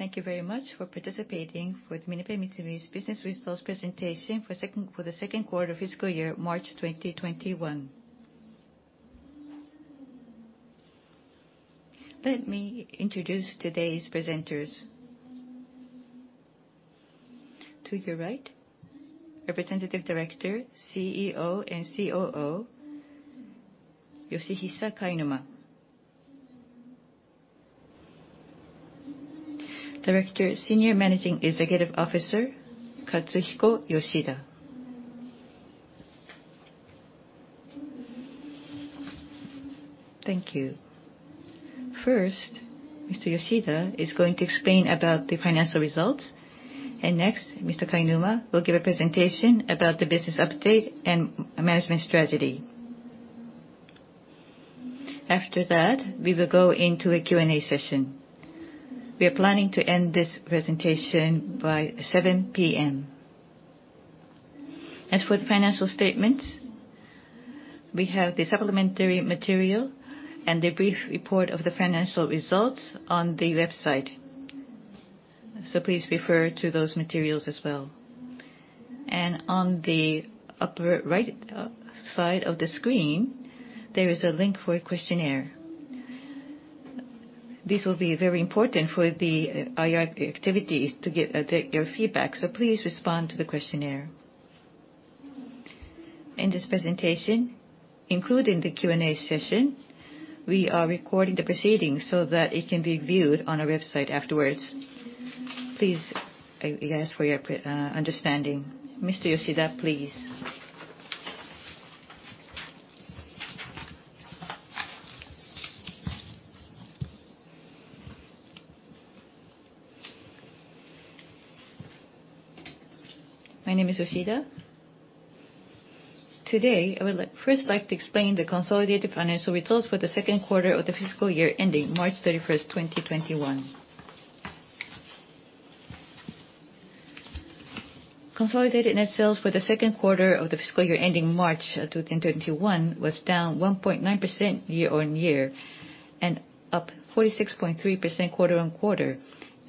Thank you very much for participating with MinebeaMitsumi's Business Results Presentation for the Second Quarter Fiscal Year, March 2021. Let me introduce today's presenters. To your right, Representative Director, CEO and COO, Yoshihisa Kainuma. Director, Senior Managing Executive Officer, Katsuhiko Yoshida. Thank you. First, Mr. Yoshida is going to explain about the financial results, and next, Mr. Kainuma will give a presentation about the business update and management strategy. After that, we will go into a Q&A session. We are planning to end this presentation by 7:00 P.M. As for the financial statements, we have the supplementary material and the brief report of the financial results on the website. Please refer to those materials as well. On the upper right side of the screen, there is a link for a questionnaire. This will be very important for the IR activities to get your feedback, so please respond to the questionnaire. In this presentation, including the Q&A session, we are recording the proceedings so that it can be viewed on our website afterwards. Please, I ask for your understanding. Mr. Yoshida, please. My name is Yoshida. Today, I would first like to explain the consolidated financial results for the second quarter of the fiscal year ending March 31st, 2021. Consolidated net sales for the second quarter of the fiscal year ending March 2021 was down 1.9% year-on-year and up 46.3% quarter-on-quarter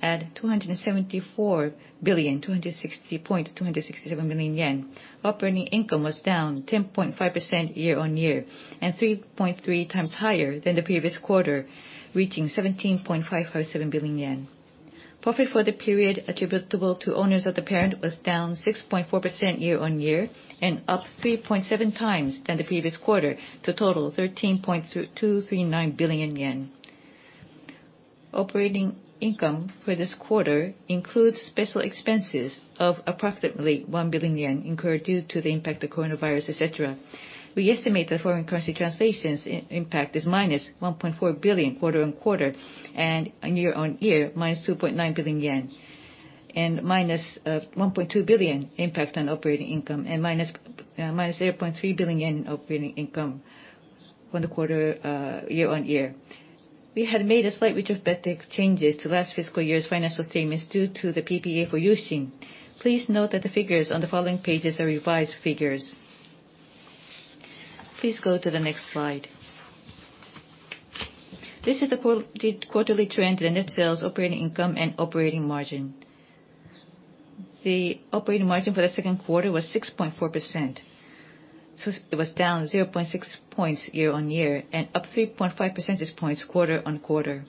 at 274,260.267 million yen. Operating income was down 10.5% year-on-year and 3.3x higher than the previous quarter, reaching 17.557 billion yen. Profit for the period attributable to owners of the parent was down 6.4% year-on-year and up 3.7x than the previous quarter, to total 13.239 billion yen. Operating income for this quarter includes special expenses of approximately 1 billion yen incurred due to the impact of coronavirus, et cetera. We estimate the foreign currency translations impact is -1.4 billion quarter-on-quarter and year-on-year, -2.9 billion yen. -1.2 billion impact on operating income and -0.3 billion yen in operating income from the quarter year-on-year. We had made a slight retrospective changes to last fiscal year's financial statements due to the PPA for U-Shin. Please note that the figures on the following pages are revised figures. Please go to the next slide. This is the quarterly trend in net sales, operating income, and operating margin. The operating margin for the second quarter was 6.4%. It was down 0.6 points year-on-year and up 3.5% points quarter-on-quarter.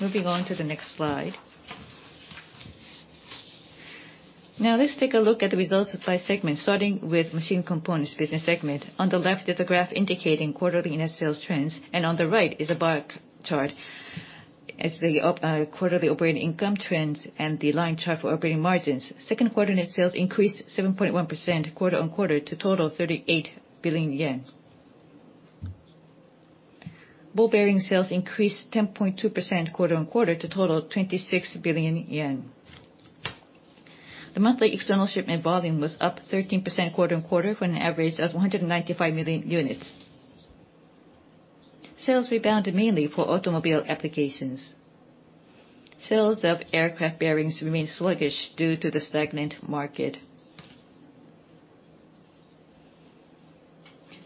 Moving on to the next slide. Now let's take a look at the results by segment, starting with Machine Components Business Segment. On the left is a graph indicating quarterly net sales trends, and on the right is a bar chart as the quarterly operating income trends and the line chart for operating margins. Second quarter net sales increased 7.1% quarter-on-quarter to total of JPY 38 billion. Ball bearing sales increased 10.2% quarter-on-quarter to total of 26 billion yen. The monthly external shipment volume was up 13% quarter-on-quarter for an average of 195 million units. Sales rebounded mainly for automobile applications. Sales of aircraft bearings remain sluggish due to the stagnant market.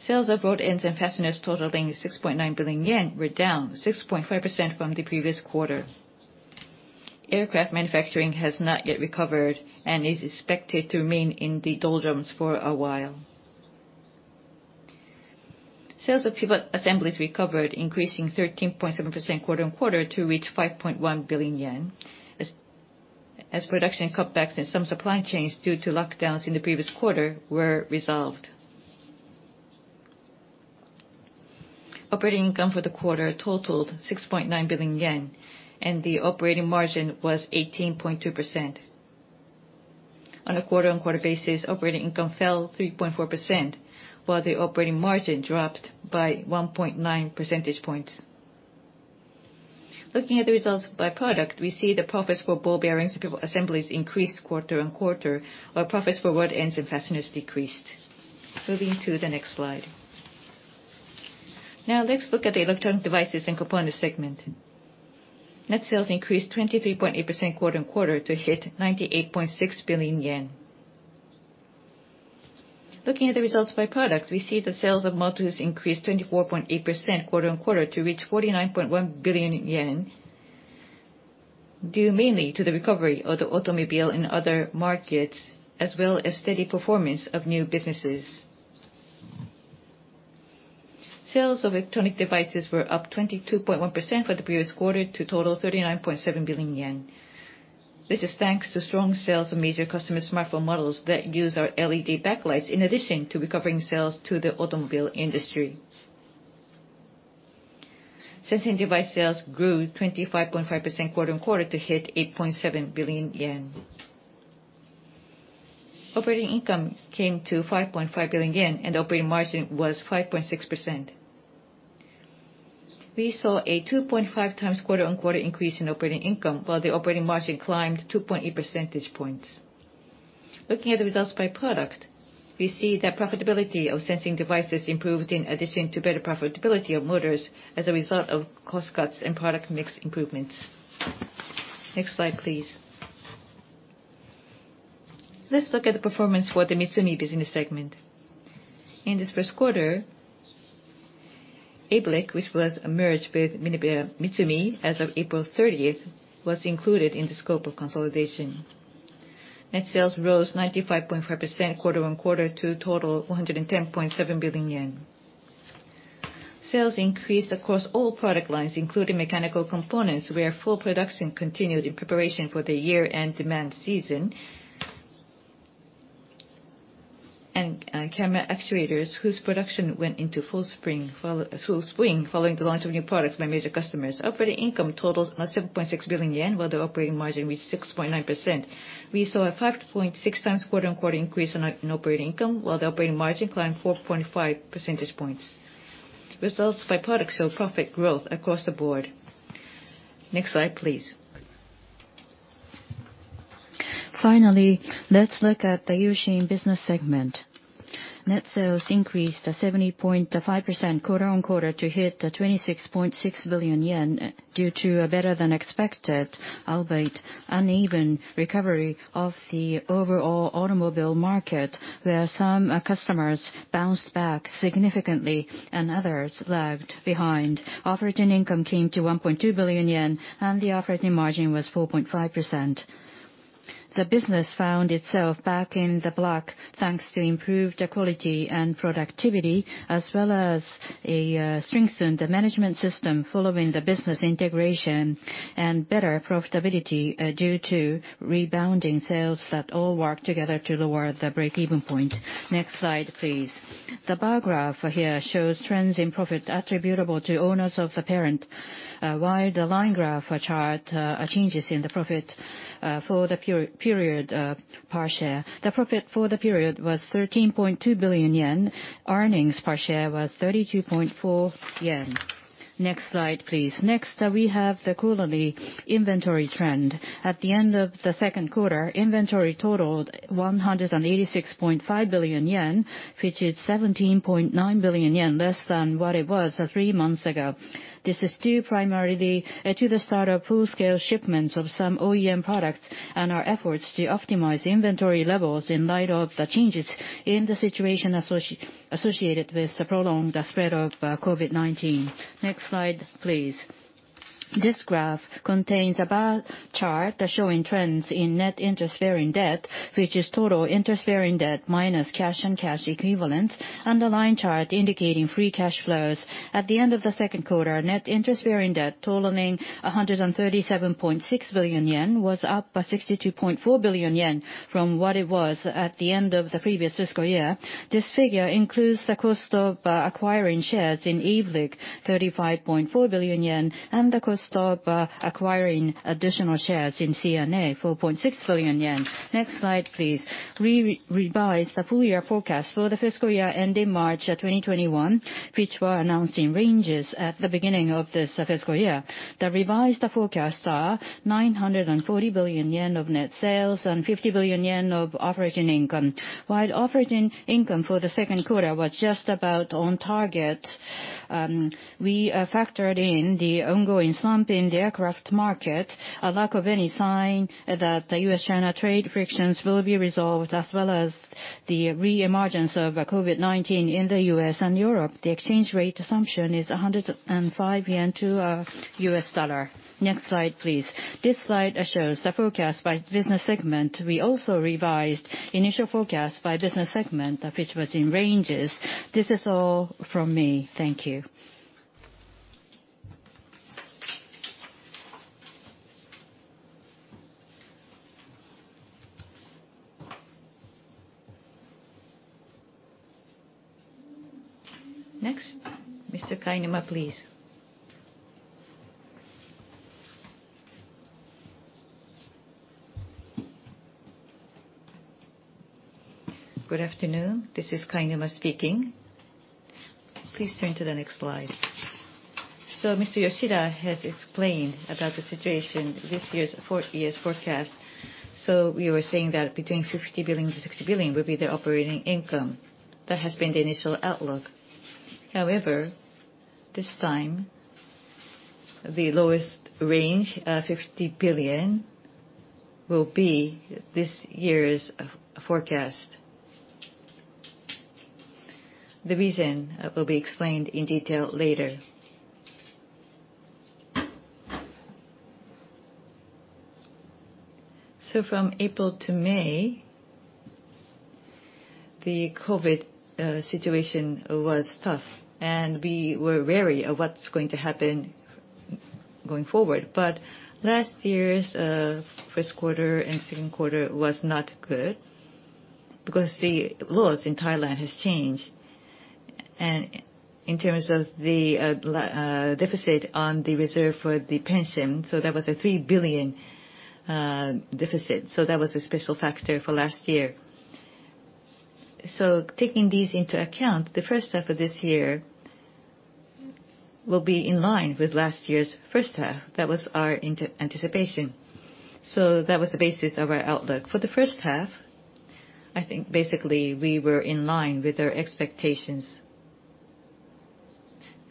Sales of rod ends and fasteners totaling 6.9 billion yen were down 6.5% from the previous quarter. Aircraft manufacturing has not yet recovered and is expected to remain in the doldrums for a while. Sales of pivot assemblies recovered, increasing 13.7% quarter-on-quarter to reach 5.1 billion yen, as production cutbacks and some supply chains due to lockdowns in the previous quarter were resolved. Operating income for the quarter totaled 6.9 billion yen, and the operating margin was 18.2%. On a quarter-on-quarter basis, operating income fell 3.4%, while the operating margin dropped by 1.9% points. Looking at the results by product, we see the profits for ball bearings and pivot assemblies increased quarter-on-quarter, while profits for rod ends and fasteners decreased. Moving to the next slide. Now let's look at the Electronic Devices and Components segment. Net sales increased 23.8% quarter-over-quarter to hit 98.6 billion yen. Looking at the results by product, we see the sales of motors increased 24.8% quarter-over-quarter to reach 49.1 billion yen, due mainly to the recovery of the automobile and other markets, as well as steady performance of new businesses. Sales of electronic devices were up 22.1% for the previous quarter to total 39.7 billion yen. This is thanks to strong sales of major customer smartphone models that use our LED backlights, in addition to recovering sales to the automobile industry. Sensing device sales grew 25.5% quarter-over-quarter to hit 8.7 billion yen. Operating income came to 5.5 billion yen and operating margin was 5.6%. We saw a 2.5x quarter-over-quarter increase in operating income, while the operating margin climbed 2.8% points. Looking at the results by product, we see that profitability of sensing devices improved in addition to better profitability of motors as a result of cost cuts and product mix improvements. Next slide, please. Let's look at the performance for the MITSUMI business segment. In this first quarter, ABLIC, which was merged with MinebeaMitsumi as of April 30th, was included in the scope of consolidation. Net sales rose 95.5% quarter-on-quarter to a total of 110.7 billion yen. Sales increased across all product lines, including mechanical components, where full production continued in preparation for the year-end demand season. Camera actuators, whose production went into full swing following the launch of new products by major customers. Operating income totaled 7.6 billion yen, while the operating margin reached 6.9%. We saw a 5.6x quarter-on-quarter increase in operating income, while the operating margin climbed 4.5% points. Results by product saw profit growth across the board. Next slide, please. Finally, let's look at the U-Shin Business segment. Net sales increased 70.5% quarter-on-quarter to hit 26.6 billion yen due to a better than expected, albeit uneven, recovery of the overall automobile market, where some customers bounced back significantly and others lagged behind. Operating income came to 1.2 billion yen, and the operating margin was 4.5%. The business found itself back in the black thanks to improved quality and productivity, as well as a strengthened management system following the business integration, and better profitability due to rebounding sales that all worked together to lower the break-even point. Next slide, please. The bar graph here shows trends in profit attributable to owners of the parent, while the line graph charts changes in the profit for the period, per share. The profit for the period was 13.2 billion yen. Earnings per share was 32.4 yen. Next slide, please. Next, we have the quarterly inventory trend. At the end of the second quarter, inventory totaled 186.5 billion yen, which is 17.9 billion yen less than what it was three months ago. This is due primarily to the start of full-scale shipments of some OEM products and our efforts to optimize inventory levels in light of the changes in the situation associated with the prolonged spread of COVID-19. Next slide, please. This graph contains a bar chart showing trends in net interest-bearing debt, which is total interest-bearing debt minus cash and cash equivalents, and a line chart indicating free cash flows. At the end of the second quarter, net interest-bearing debt totaling 137.6 billion yen was up by 62.4 billion yen from what it was at the end of the previous fiscal year. This figure includes the cost of acquiring shares in ABLIC, 35.4 billion yen, and the cost of acquiring additional shares in C&A, 4.6 billion yen. Next slide, please. We revised the full year forecast for the fiscal year ending March 2021, which were announced in ranges at the beginning of this fiscal year. The revised forecasts are 940 billion yen of net sales and 50 billion yen of operating income. While operating income for the second quarter was just about on target, we factored in the ongoing slump in the aircraft market, a lack of any sign that the U.S.-China trade frictions will be resolved, as well as the reemergence of COVID-19 in the U.S. and Europe. The exchange rate assumption is 105 yen to a US dollar. Next slide, please. This slide shows the forecast by business segment. We also revised the initial forecast by business segment, which was in ranges. This is all from me. Thank you. Next, Mr. Kainuma, please. Good afternoon. This is Kainuma speaking. Please turn to the next slide. Mr. Yoshida has explained about the situation, this year's forecast. We were saying that between 50 billion to 60 billion would be the operating income. That has been the initial outlook. However, this time, the lowest range of 50 billion will be this year's forecast. The reason will be explained in detail later. From April to May, the COVID-19 situation was tough, and we were wary of what's going to happen going forward. Last year's first quarter and second quarter was not good because the laws in Thailand have changed. In terms of the deficit on the reserve for the pension, there was a 3 billion deficit. That was a special factor for last year. Taking these into account, the first half of this year will be in line with last year's first half. That was our anticipation. That was the basis of our outlook. For the first half, I think basically we were in line with our expectations.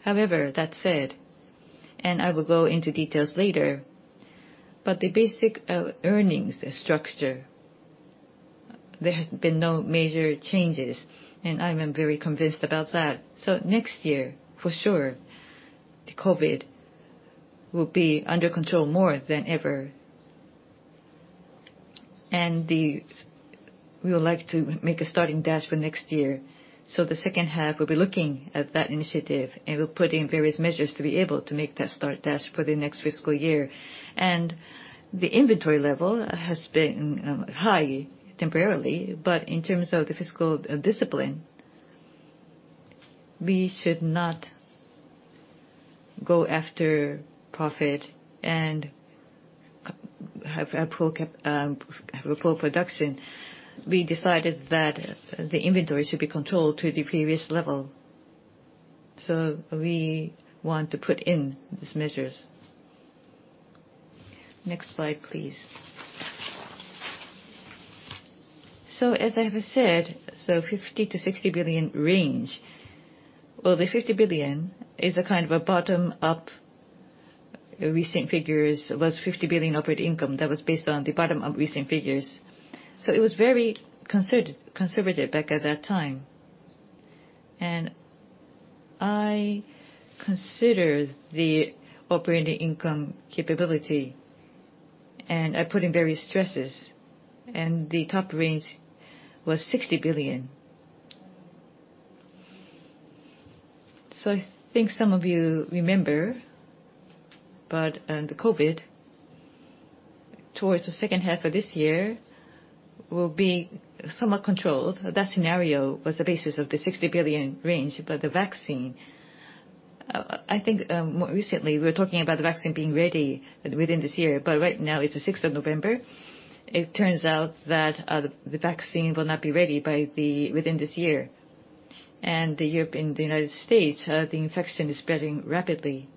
However, that said, and I will go into details later, but the basic earnings structure, there has been no major changes, and I am very convinced about that. Next year, for sure, the COVID-19 will be under control more than ever. We would like to make a starting dash for next year. The second half, we'll be looking at that initiative, and we're putting various measures to be able to make that starting dash for the next fiscal year. The inventory level has been high temporarily, but in terms of the fiscal discipline, we should not go after profit and have a poor production. We decided that the inventory should be controlled to the previous level. We want to put in these measures. Next slide, please. As I have said, 50 billion-60 billion range. The 50 billion is a kind of a bottom-up. Recent figures was 50 billion operating income that was based on the bottom-up recent figures. It was very conservative back at that time. I considered the operating income capability, and I put in various stresses, and the top range was 60 billion. I think some of you remember, but the COVID, towards the second half of this year, will be somewhat controlled. That scenario was the basis of the 60 billion range by the vaccine. I think more recently, we're talking about the vaccine being ready within this year. Right now, it's the 6th of November. It turns out that the vaccine will not be ready within this year. In the United States, the infection is spreading rapidly.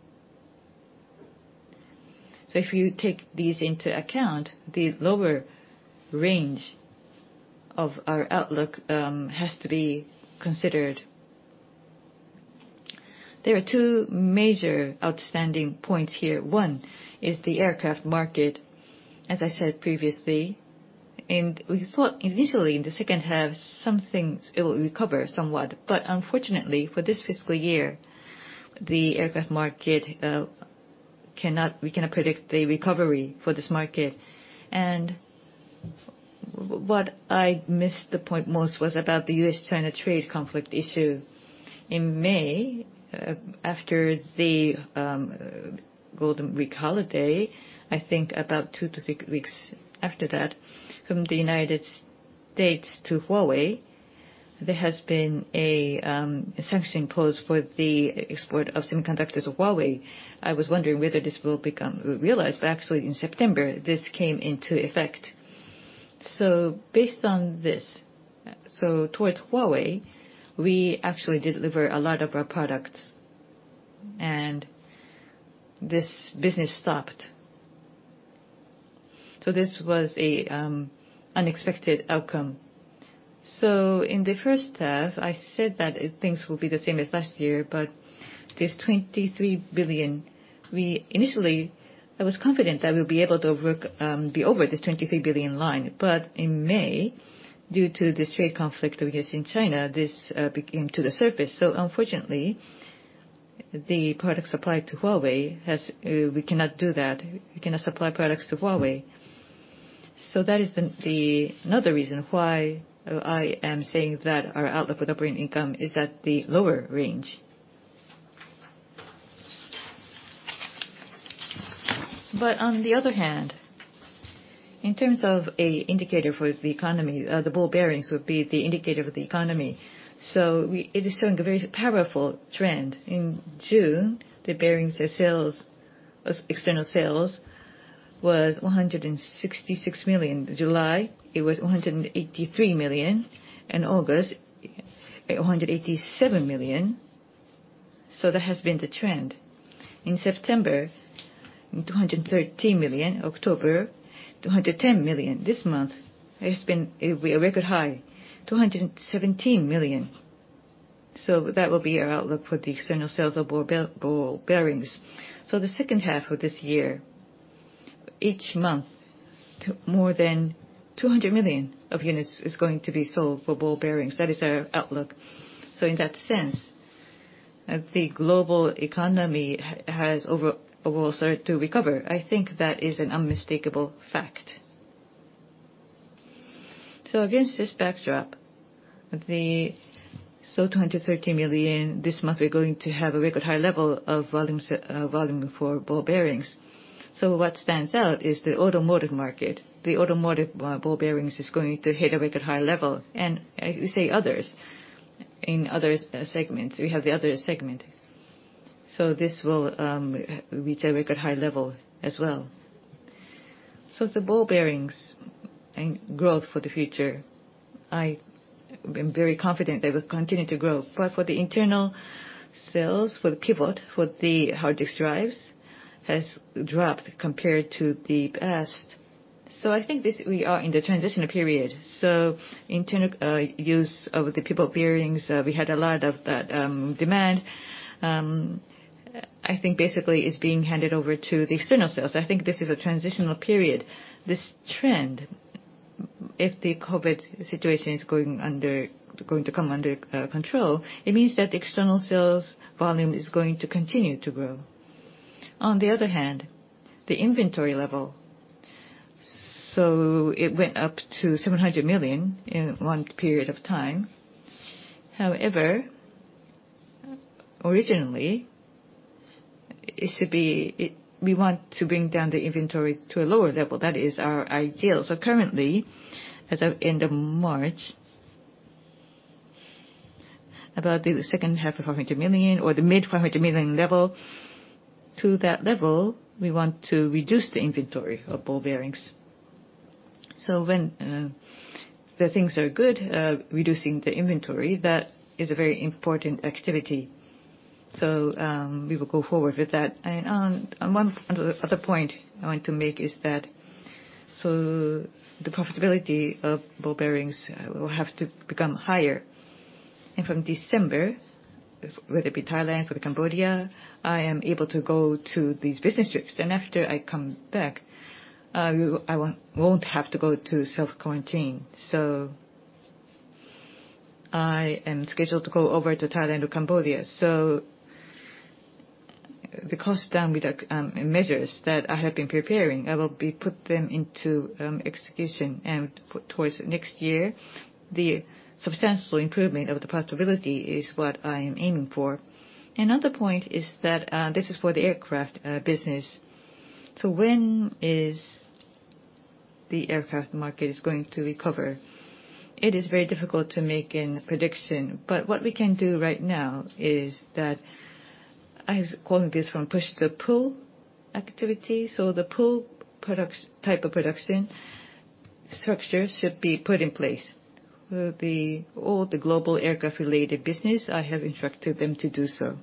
If you take these into account, the lower range of our outlook has to be considered. There are two major outstanding points here. One is the aircraft market, as I said previously. We thought initially in the second half, it will recover somewhat. Unfortunately, for this fiscal year, we cannot predict the recovery for this market. What I missed the point most was about the U.S. China trade conflict issue. In May, after the Golden Week holiday, I think about two to three weeks after that, from the U.S. to Huawei, there has been a sanction posed for the export of semiconductors of Huawei. Actually in September, this came into effect. Based on this, towards Huawei, we actually deliver a lot of our products, and this business stopped. This was an unexpected outcome. In the first half, I said that things will be the same as last year, but this 23 billion, initially, I was confident that we'll be able to be over this 23 billion line. In May, due to this trade conflict we have in China, this came to the surface. Unfortunately, the product supply to Huawei, we cannot do that. We cannot supply products to Huawei. That is another reason why I am saying that our outlook for the operating income is at the lower range. On the other hand, in terms of an indicator for the economy, the ball bearings would be the indicator of the economy. It is showing a very powerful trend. In June, the bearings external sales was 166 million. July, it was 183 million. In August, 187 million. That has been the trend. In September, 213 million. October, 210 million. This month, it has been a record high, 217 million. That will be our outlook for the external sales of ball bearings. The second half of this year, each month, more than 200 million units is going to be sold for ball bearings. That is our outlook. In that sense, the global economy has overall started to recover. I think that is an unmistakable fact. Against this backdrop, the 230 million this month, we're going to have a record high level of volume for ball bearings. What stands out is the automotive market. The automotive ball bearings is going to hit a record high level. We say others, in other segments, we have the other segment. This will reach a record high level as well. The ball bearings growth for the future, I am very confident they will continue to grow. For the internal sales, for the pivot, for the hard disk drives, has dropped compared to the past. I think we are in the transitional period. Internal use of the pivot bearings, we had a lot of that demand. I think basically it's being handed over to the external sales. I think this is a transitional period. This trend, if the COVID-19 situation is going to come under control, it means that the external sales volume is going to continue to grow. On the other hand, the inventory level. It went up to 700 million in one period of time. However, originally, we want to bring down the inventory to a lower level. That is our ideal. Currently, as of end of March, about the second half of 500 million or the mid-JPY 500 million level, to that level, we want to reduce the inventory of ball bearings. When the things are good, reducing the inventory, that is a very important activity. We will go forward with that. One other point I want to make is that the profitability of ball bearings will have to become higher. From December, whether it be Thailand or Cambodia, I am able to go to these business trips. After I come back, I won't have to go to self-quarantine. I am scheduled to go over to Thailand or Cambodia. The cost down measures that I have been preparing, I will put them into execution towards next year. The substantial improvement of the profitability is what I am aiming for. Another point is that, this is for the aircraft business. When is the aircraft market is going to recover? It is very difficult to make any prediction, but what we can do right now is that, I was calling this one push to pull activity. The pull type of production structure should be put in place. All the global aircraft related business, I have instructed them to do so.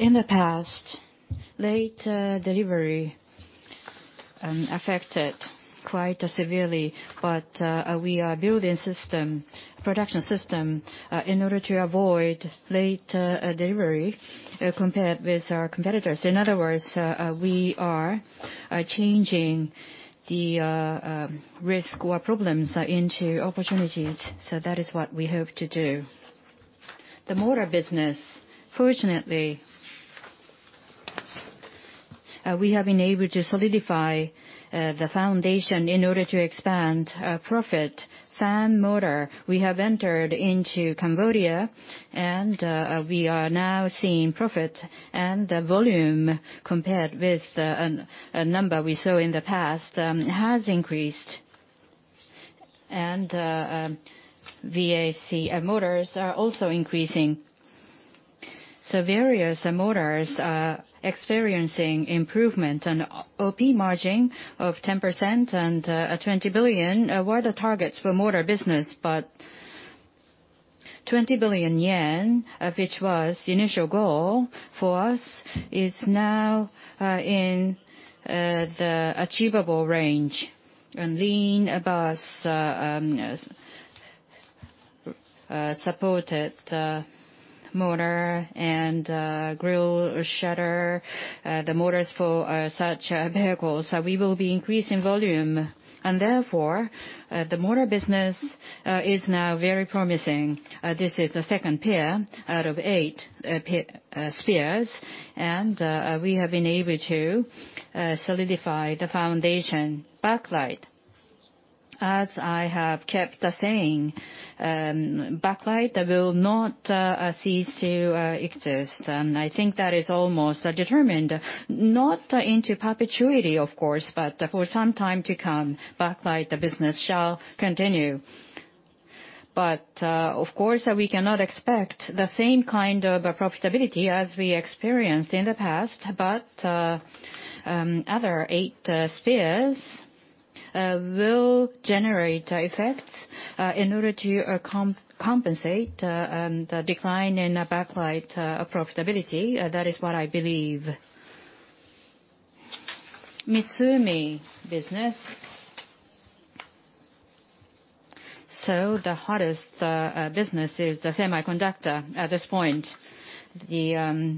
In the past, late delivery affected quite severely, but we are building production system in order to avoid late delivery compared with our competitors. In other words, we are changing the risk or problems into opportunities. That is what we hope to do. The motor business, fortunately, we have been able to solidify the foundation in order to expand profit. Fan motor, we have entered into Cambodia, and we are now seeing profit and the volume compared with a number we saw in the past, has increased. HVAC motors are also increasing. Various motors are experiencing improvement. OP margin of 10% and 20 billion were the targets for motor business, but 20 billion yen, which was the initial goal for us, is now in the achievable range. LIN bus supported motor and grille shutter, the motors for such vehicles, we will be increasing volume, and therefore, the motor business is now very promising. This is the second pillar out of Eight Spears, and we have been able to solidify the foundation. Backlight. As I have kept saying, backlight will not cease to exist. I think that is almost determined, not into perpetuity, of course, but for some time to come, backlight business shall continue. Of course, we cannot expect the same kind of profitability as we experienced in the past. Other Eight Spears will generate effects in order to compensate the decline in backlight profitability. That is what I believe. MITSUMI business. The hottest business is the semiconductor. At this point, the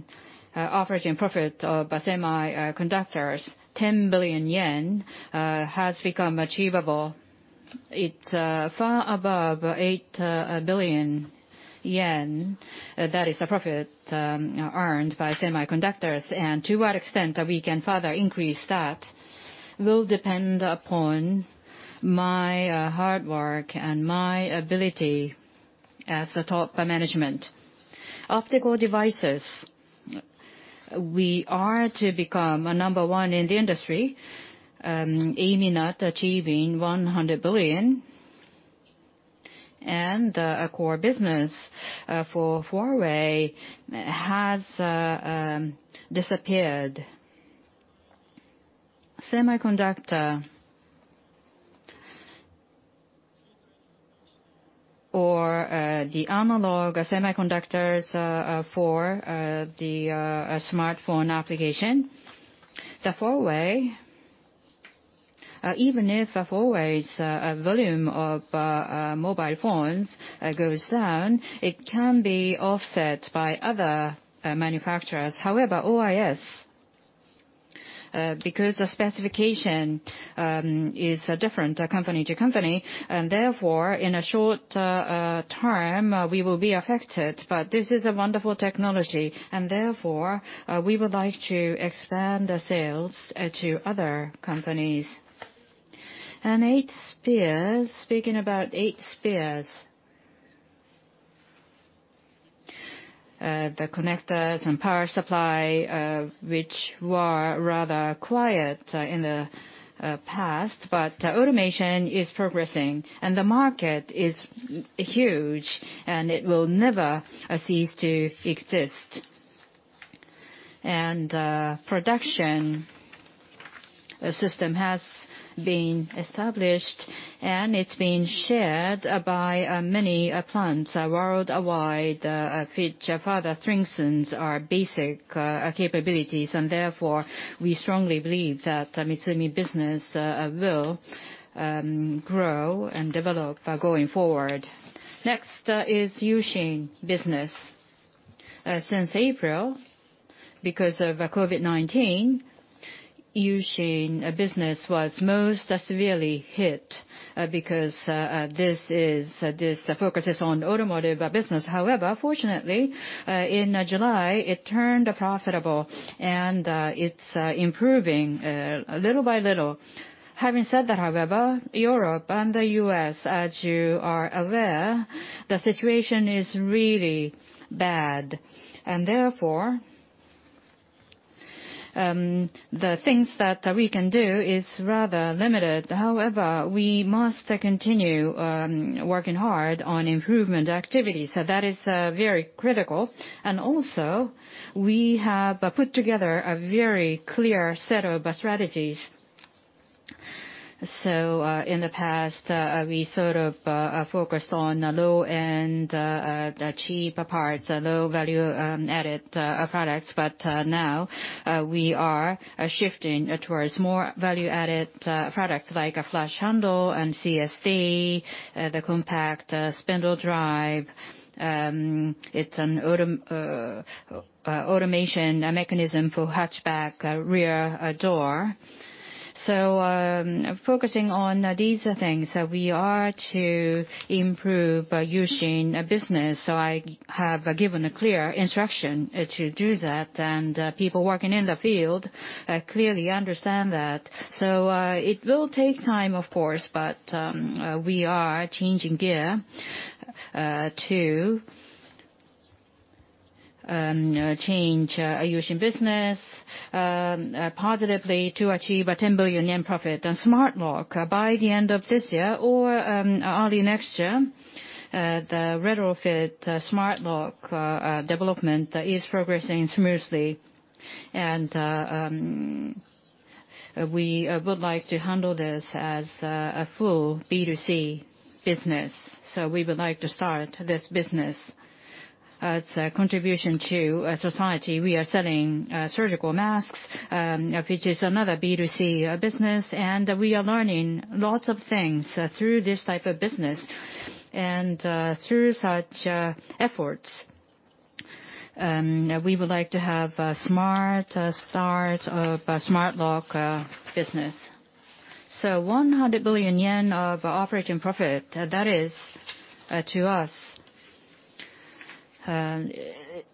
operating profit by semiconductors, 10 billion yen, has become achievable. It's far above 8 billion yen. That is a profit earned by semiconductors. To what extent that we can further increase that will depend upon my hard work and my ability as the top management. Optical devices, we are to become a number one in the industry, aiming at achieving JPY 100 billion. A core business for Huawei has disappeared. Semiconductor, or the analog semiconductors for the smartphone application. Huawei, even if Huawei's volume of mobile phones goes down, it can be offset by other manufacturers. However, OIS, because the specification is different company to company, and therefore, in a short term, we will be affected. This is a wonderful technology, and therefore, we would like to expand the sales to other companies. Eight Spears. Speaking about Eight Spears, the connectors and power supply, which were rather quiet in the past, but automation is progressing, and the market is huge, and it will never cease to exist. Production system has been established, and it's been shared by many plants worldwide, which further strengthens our basic capabilities, and therefore, we strongly believe that MITSUMI business will grow and develop going forward. Next is U-Shin Business. Since April, because of COVID-19, U-Shin business was most severely hit because this focuses on automotive business. Fortunately, in July, it turned profitable, and it's improving little by little. Having said that, Europe and the U.S., as you are aware, the situation is really bad. Therefore, the things that we can do is rather limited. We must continue working hard on improvement activities. That is very critical. Also, we have put together a very clear set of strategies. In the past, we sort of focused on the low-end, cheap parts, low value added products. Now we are shifting towards more value-added products like a flush handle and CSD, the compact spindle drive. It's an automation mechanism for hatchback rear door. Focusing on these things, we are to improve U-Shin business. I have given a clear instruction to do that, and people working in the field clearly understand that. It will take time, of course, but we are changing gear to change U-Shin business positively to achieve a 10 billion yen profit on Smart Lock by the end of this year or early next year. The retrofit Smart Lock development is progressing smoothly, and we would like to handle this as a full B2C business. We would like to start this business. As a contribution to society, we are selling surgical masks, which is another B2C business. We are learning lots of things through this type of business. Through such efforts, we would like to have a smart start of Smart Lock business. 100 billion yen of operating profit, that is, to us,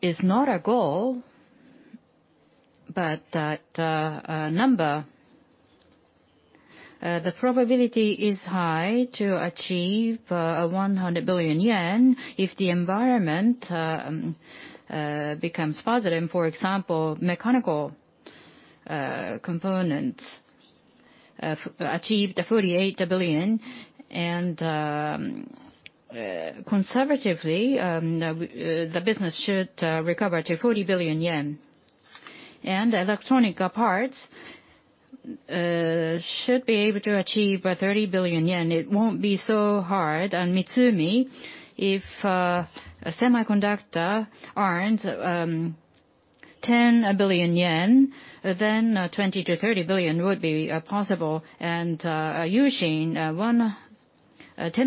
is not a goal, but that number, the probability is high to achieve 100 billion yen if the environment becomes positive. For example, mechanical components achieved 48 billion. Conservatively, the business should recover to 40 billion yen. Electronic parts should be able to achieve 30 billion yen. It won't be so hard on MITSUMI if semiconductor earns 10 billion yen, then 20 billion to 30 billion would be possible. U-Shin, 10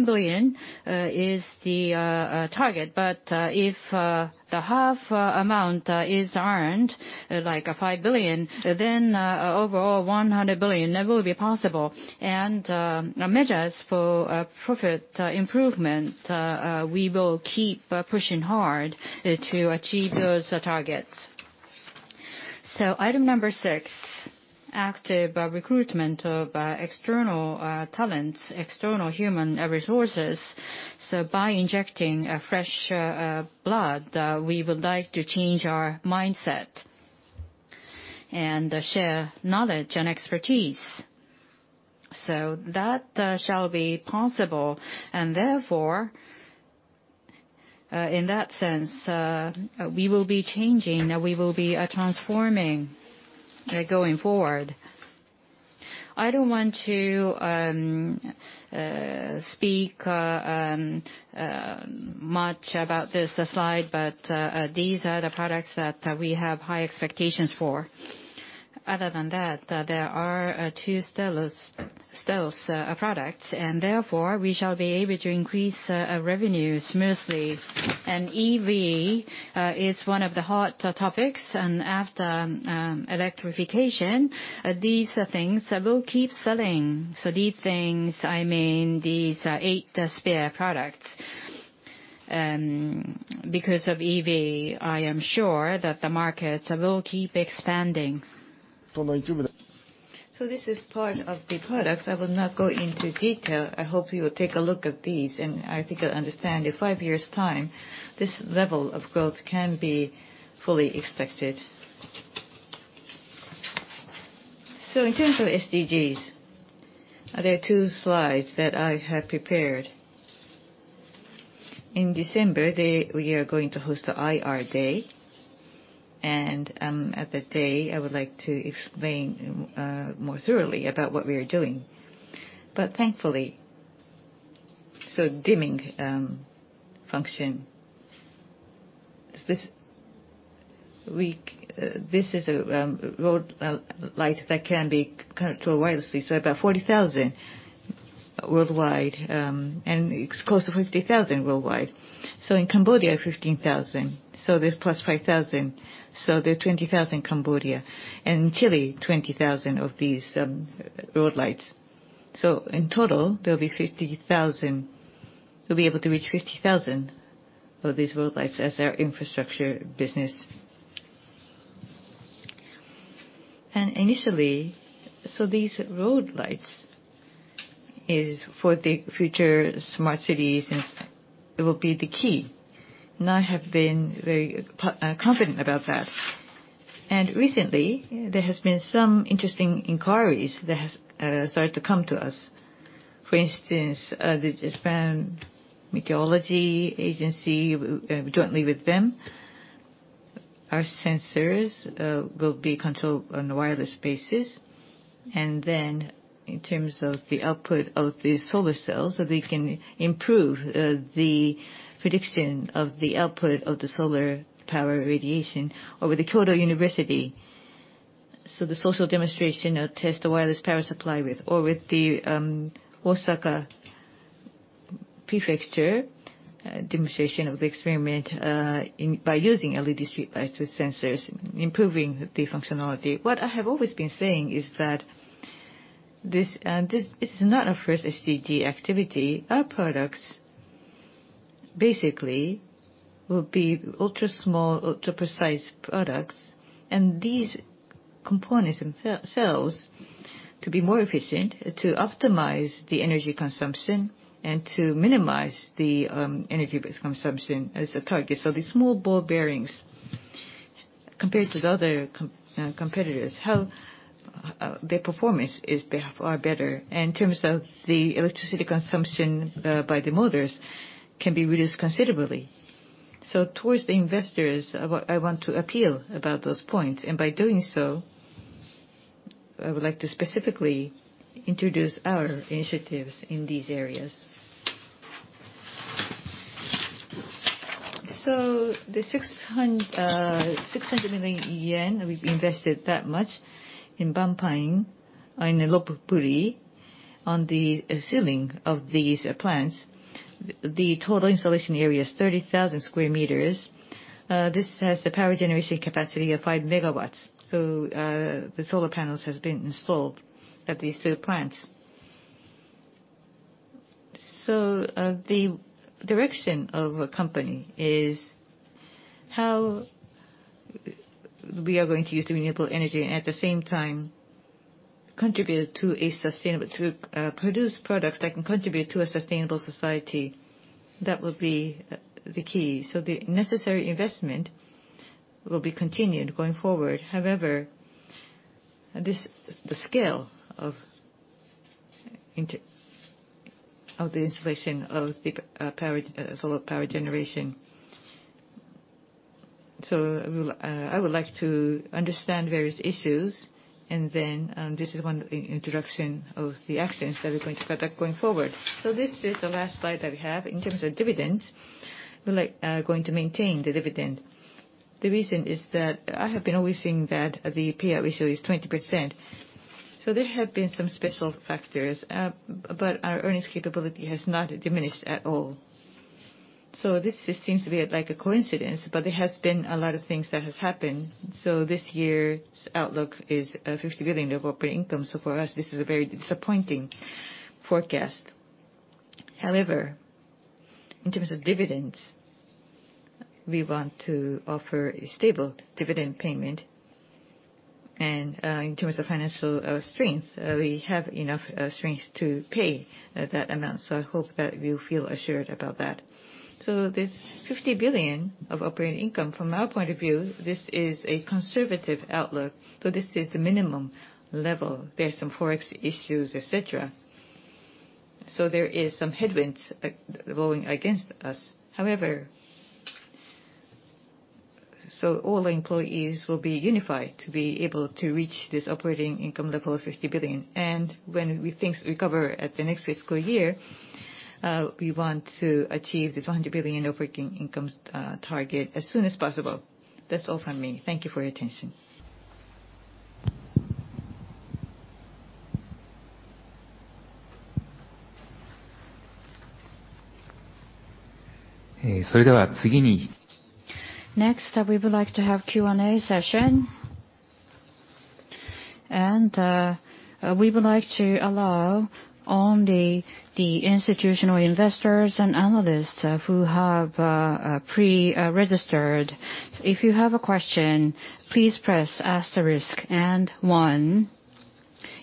billion is the target, but if the half amount is earned, like 5 billion, then overall 100 billion will be possible. Measures for profit improvement, we will keep pushing hard to achieve those targets. Item number six, active recruitment of external talents, external human resources. By injecting fresh blood, we would like to change our mindset and share knowledge and expertise. That shall be possible, and therefore, in that sense, we will be changing. We will be transforming going forward. I don't want to speak much about this slide, but these are the products that we have high expectations for. Other than that, there are two stealth products, and therefore, we shall be able to increase our revenues mostly. EV is one of the hot topics, and after electrification, these things will keep selling. These things, I mean these Eight Spears products. Because of EV, I am sure that the markets will keep expanding. This is part of the products. I will not go into detail. I hope you will take a look at these, I think you'll understand in five years' time, this level of growth can be fully expected. In terms of SDGs, there are two slides that I have prepared. In December, we are going to host the IR day, at that day, I would like to explain more thoroughly about what we are doing. Thankfully, dimming function. This is a road light that can be controlled wirelessly, about 40,000 worldwide, it's close to 50,000 worldwide. In Cambodia, 15,000, that's plus 5,000. There are 20,000 Cambodia. Chile, 20,000 of these road lights. In total, there'll be 50,000. We'll be able to reach 50,000 of these road lights as our infrastructure business. Initially, so these road lights is for the future smart cities, and it will be the key, and I have been very confident about that. Recently, there has been some interesting inquiries that have started to come to us. For instance, the Japan Meteorological Agency, jointly with them, our sensors will be controlled on a wireless basis. In terms of the output of the solar cells, so they can improve the prediction of the output of the solar power radiation. With Kyoto University, so the social demonstration test wireless power supply with. With Osaka Prefecture, demonstration of the experiment by using LED street lights with sensors, improving the functionality. What I have always been saying is that this is not our first SDG activity. Our products basically will be ultra-small, ultra-precise products. These components themselves, to be more efficient, to optimize the energy consumption, and to minimize the energy consumption as a target. The small ball bearings, compared to the other competitors, their performance is far better. In terms of the electricity consumption by the motors, can be reduced considerably. Towards the investors, I want to appeal about those points, and by doing so, I would like to specifically introduce our initiatives in these areas. The 600 million yen, we've invested that much in Bang Pa-in, in Lop Buri, on the ceiling of these plants. The total installation area is 30,000 sq m. This has the power generation capacity of 5 MW. The solar panels have been installed at these two plants. The direction of a company is how we are going to use renewable energy, and at the same time, contribute to produce products that can contribute to a sustainable society. That would be the key. The necessary investment will be continued going forward. However, I would like to understand various issues, this is one introduction of the actions that we're going to conduct going forward. This is the last slide that we have. In terms of dividends, we're going to maintain the dividend. The reason is that I have been always saying that the payout ratio is 20%. There have been some special factors, but our earnings capability has not diminished at all. This just seems to be a coincidence, but there has been a lot of things that have happened. This year's outlook is a 50 billion of operating income. For us, this is a very disappointing forecast. However, in terms of dividends, we want to offer a stable dividend payment. In terms of financial strength, we have enough strength to pay that amount. I hope that you feel assured about that. This 50 billion of operating income, from our point of view, this is a conservative outlook, this is the minimum level. There are some Forex issues, et cetera. There are some headwinds blowing against us. However, all employees will be unified to be able to reach this operating income level of 50 billion. When things recover at the next fiscal year, we want to achieve this 100 billion operating income target as soon as possible. That's all from me. Thank you for your attention. Next, we would like to have Q&A session. We would like to allow only the institutional investors and analysts who have pre-registered. If you have a question, please press asterisk and one.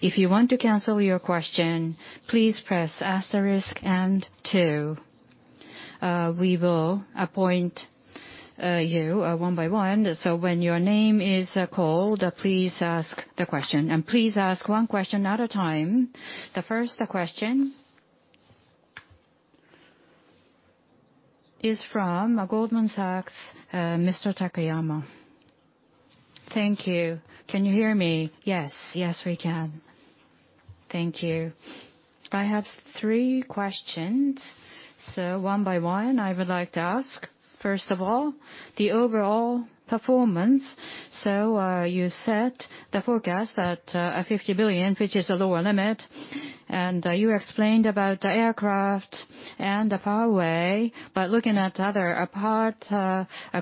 If you want to cancel your question, please press asterisk and two. We will appoint you one by one. When your name is called, please ask the question, and please ask one question at a time. The first question is from Goldman Sachs, Mr. Takayama. Thank you. Can you hear me? Yes. Yes, we can. Thank you. I have three questions. One by one, I would like to ask. First of all, the overall performance. You set the forecast at 50 billion, which is the lower limit. You explained about the aircraft and the Huawei, but looking at other apart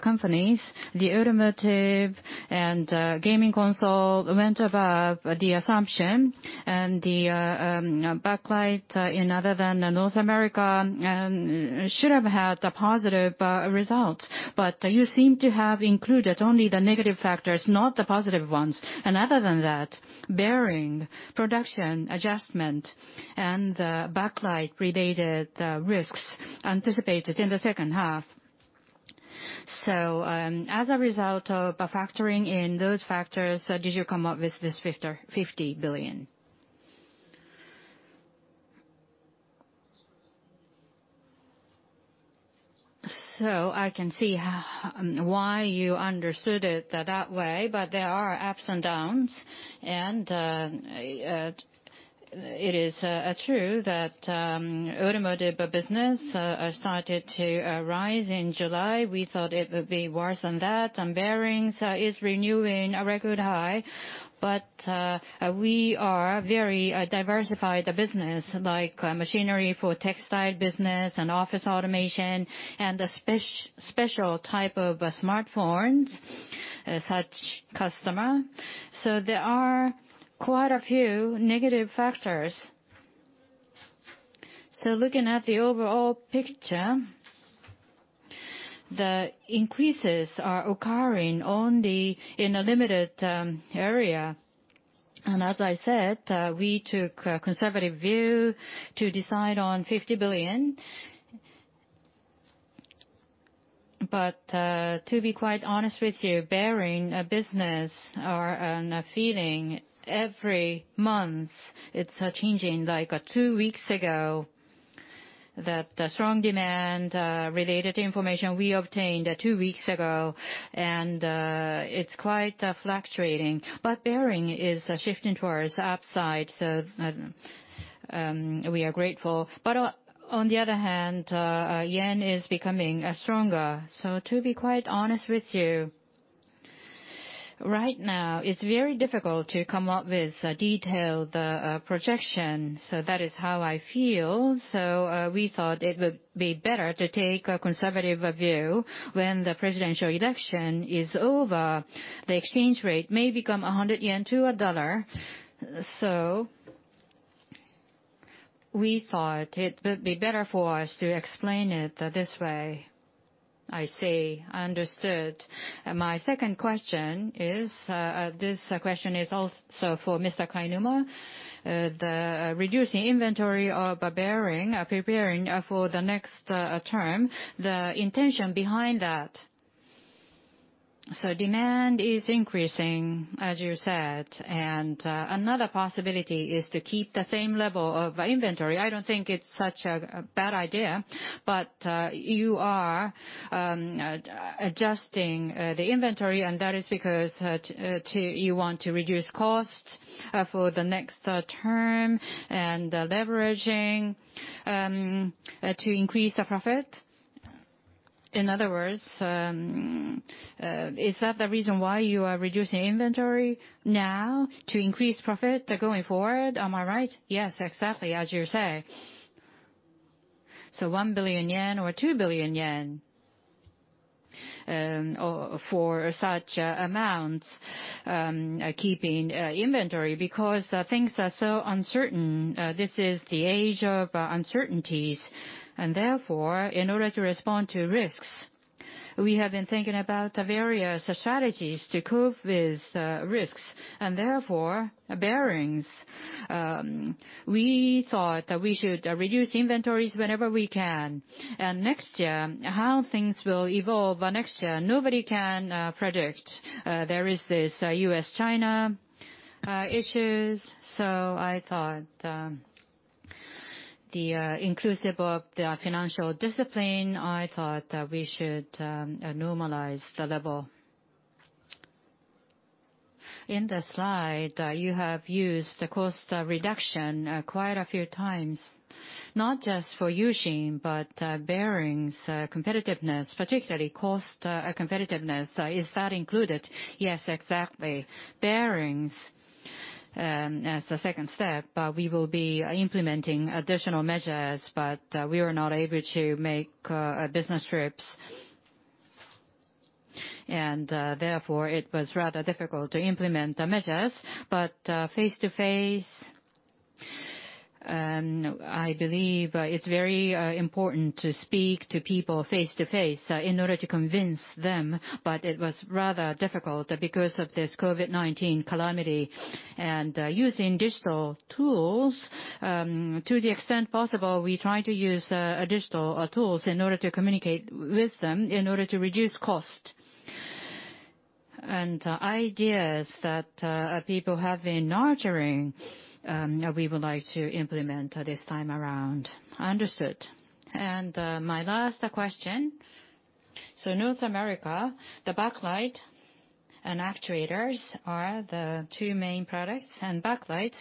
companies, the automotive and gaming console went above the assumption, and the backlight in other than North America should have had a positive result. You seem to have included only the negative factors, not the positive ones, other than that, bearing production adjustment and the backlight related risks anticipated in the second half. As a result of factoring in those factors, did you come up with this 50 billion? I can see why you understood it that way, but there are ups and downs, and it is true that automotive business started to rise in July. We thought it would be worse than that. Bearings is renewing a record high. We are very diversified, the business, like machinery for textile business and office automation and the special type of smartphones, such customer. There are quite a few negative factors. Looking at the overall picture, the increases are occurring in a limited area. As I said, we took a conservative view to decide on JPY 50 billion. To be quite honest with you, bearing business are on a feeling every month it's changing. Like two weeks ago, the strong demand related information we obtained two weeks ago, and it's quite fluctuating. Bearing is shifting towards upside, so we are grateful. On the other hand, yen is becoming stronger. To be quite honest with you, right now it's very difficult to come up with a detailed projection. That is how I feel. We thought it would be better to take a conservative view. When the presidential election is over, the exchange rate may become 100 yen to $ 1. We thought it would be better for us to explain it this way. I see. Understood. My second question is, this question is also for Mr. Kainuma. The reducing inventory of a bearing, preparing for the next term, the intention behind that. Demand is increasing, as you said, and another possibility is to keep the same level of inventory. I don't think it's such a bad idea. You are adjusting the inventory, and that is because you want to reduce costs for the next term, and leveraging to increase the profit. In other words, is that the reason why you are reducing inventory now, to increase profit going forward? Am I right? Yes, exactly, as you say. 1 billion yen or 2 billion yen for such amounts, keeping inventory because things are so uncertain. This is the age of uncertainties, therefore, in order to respond to risks, we have been thinking about various strategies to cope with risks. Therefore, bearings, we thought that we should reduce inventories whenever we can. Next year, how things will evolve next year, nobody can predict. There is this U.S.-China issues. I thought the inclusive of the financial discipline, I thought that we should normalize the level. In the slide, you have used the cost reduction quite a few times, not just for U-Shin, but bearings competitiveness, particularly cost competitiveness. Is that included? Yes, exactly. Bearings, as a second step, we will be implementing additional measures. We were not able to make business trips. Therefore, it was rather difficult to implement the measures. Face-to-face, I believe it's very important to speak to people face-to-face in order to convince them. It was rather difficult because of this COVID-19 calamity. Using digital tools, to the extent possible, we try to use digital tools in order to communicate with them, in order to reduce cost. Ideas that people have been nurturing, we would like to implement this time around. Understood. My last question. North America, the backlight and actuators are the two main products. Backlights,